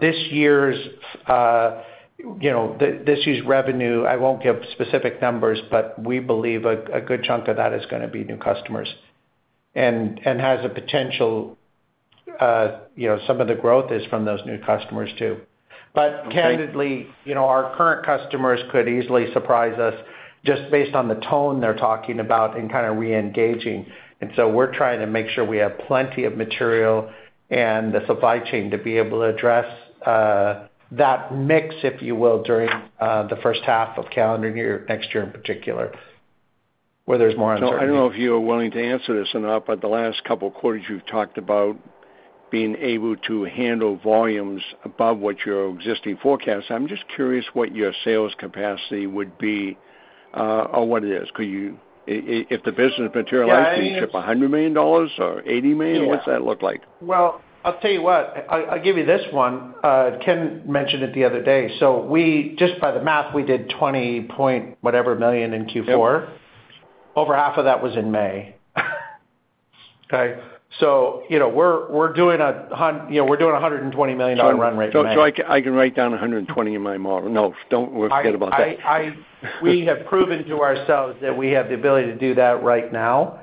[SPEAKER 3] This year's revenue, I won't give specific numbers, but we believe a good chunk of that is gonna be new customers and has potential, you know, some of the growth is from those new customers too. Candidly, you know, our current customers could easily surprise us just based on the tone they're talking about and kinda Re-Engaging. We're trying to make sure we have plenty of material and the supply chain to be able to address that mix, if you will, during the first 1/2 of calendar year, next year in particular, where there's more uncertainty.
[SPEAKER 9] I don't know if you are willing to answer this or not, but the last couple of quarters you've talked about being able to handle volumes above what your existing forecast. I'm just curious what your sales capacity would be, or what it is. If the business materialized, can you ship $100 million or $80 million? What's that look like?
[SPEAKER 3] Well, I'll tell you what, I'll give you this one. Ken mentioned it the other day. Just by the math, we did $20-point whatever million in Q4. Over 1/2 of that was in May. Okay. You know, we're doing a $120 million run rate in May.
[SPEAKER 9] I can write down 120 in my model. No, don't. We'll forget about that.
[SPEAKER 3] We have proven to ourselves that we have the ability to do that right now,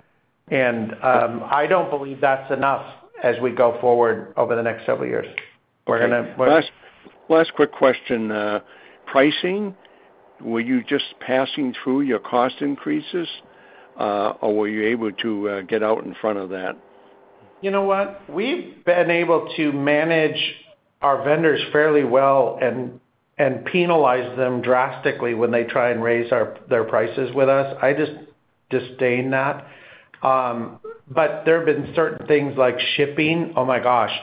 [SPEAKER 3] and I don't believe that's enough as we go forward over the next several years. We're gonna
[SPEAKER 9] Last quick question. Pricing, were you just passing through your cost increases, or were you able to get out in front of that?
[SPEAKER 3] You know what? We've been able to manage our vendors fairly well and penalize them drastically when they try and raise their prices with us. I just disdain that. There have been certain things like shipping. Oh my gosh.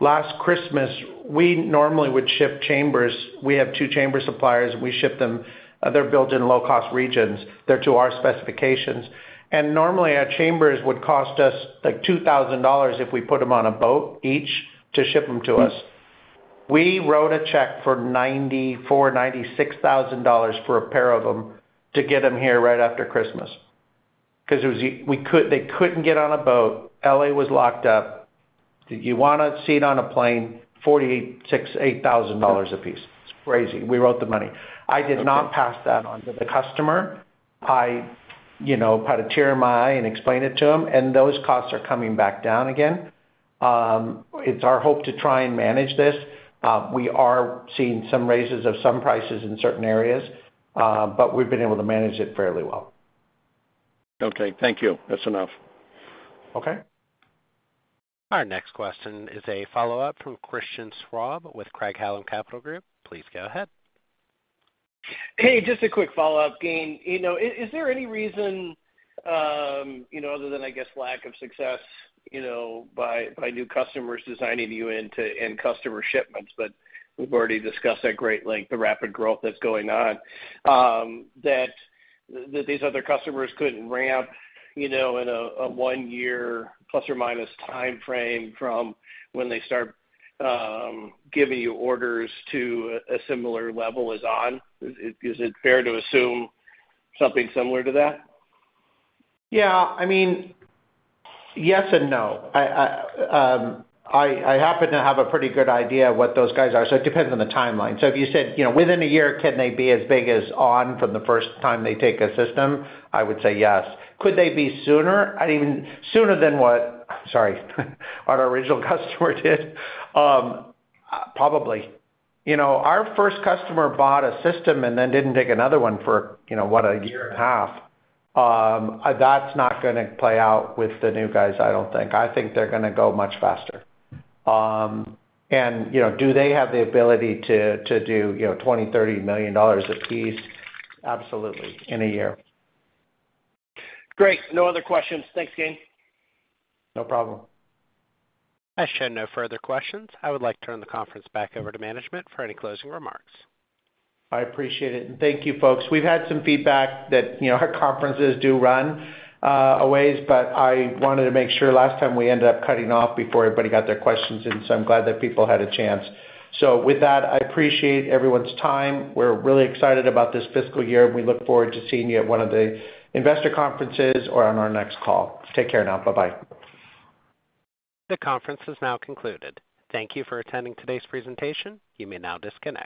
[SPEAKER 3] Last Christmas, we normally would ship chambers. We have 2 chamber suppliers, and we ship them. They're built in Low-Cost regions. They're to our specifications. Normally our chambers would cost us like $2,000 if we put them on a boat each to ship them to us. We wrote a check for $94,000-$96,000 for a pair of them to get them here right after Christmas. Because they couldn't get on a boat. L.A. was locked up. Do you want a seat on a plane, $46,800 a piece? It's crazy. We wrote the money. I did not pass that on to the customer. I, you know, had a tear in my eye and explained it to them, and those costs are coming back down again. It's our hope to try and manage this. We are seeing some raises of some prices in certain areas, but we've been able to manage it fairly well.
[SPEAKER 9] Okay, thank you. That's enough.
[SPEAKER 3] Okay.
[SPEAKER 1] Our next question is a Follow-Up from Christian Schwab with Craig-Hallum Capital Group. Please go ahead.
[SPEAKER 5] Hey, just a quick Follow-Up, Gayn. You know, is there any reason, you know, other than I guess lack of success, you know, by new customers designing you into end customer shipments, but we've already discussed at great length the rapid growth that's going on, that these other customers couldn't ramp, you know, in a one-year plus or minus timeframe from when they start giving you orders to a similar level as ON? Is it fair to assume something similar to that?
[SPEAKER 3] Yeah. I mean, yes and no. I happen to have a pretty good idea of what those guys are, so it depends on the timeline. If you said, you know, within a year, can they be as big as ON from the first time they take a system, I would say yes. Could they be sooner? Sooner than what, sorry, what our original customer did, probably. You know, our first customer bought a system and then didn't take another one for, you know, what, a year and a 1/2. That's not gonna play out with the new guys, I don't think. I think they're gonna go much faster. You know, do they have the ability to do, you know, $20-$30 million a piece? Absolutely, in a year.
[SPEAKER 5] Great. No other questions. Thanks, Gayn.
[SPEAKER 3] No problem.
[SPEAKER 1] I'm showing no further questions. I would like to turn the conference back over to management for any closing remarks.
[SPEAKER 3] I appreciate it, and thank you, folks. We've had some feedback that, you know, our conferences do run a ways, but I wanted to make sure. Last time, we ended up cutting off before everybody got their questions in, so I'm glad that people had a chance. With that, I appreciate everyone's time. We're really excited about this fiscal year, and we look forward to seeing you at one of the investor conferences or on our next call. Take care now. Bye-bye.
[SPEAKER 1] The conference is now concluded. Thank you for attending today's presentation. You may now disconnect.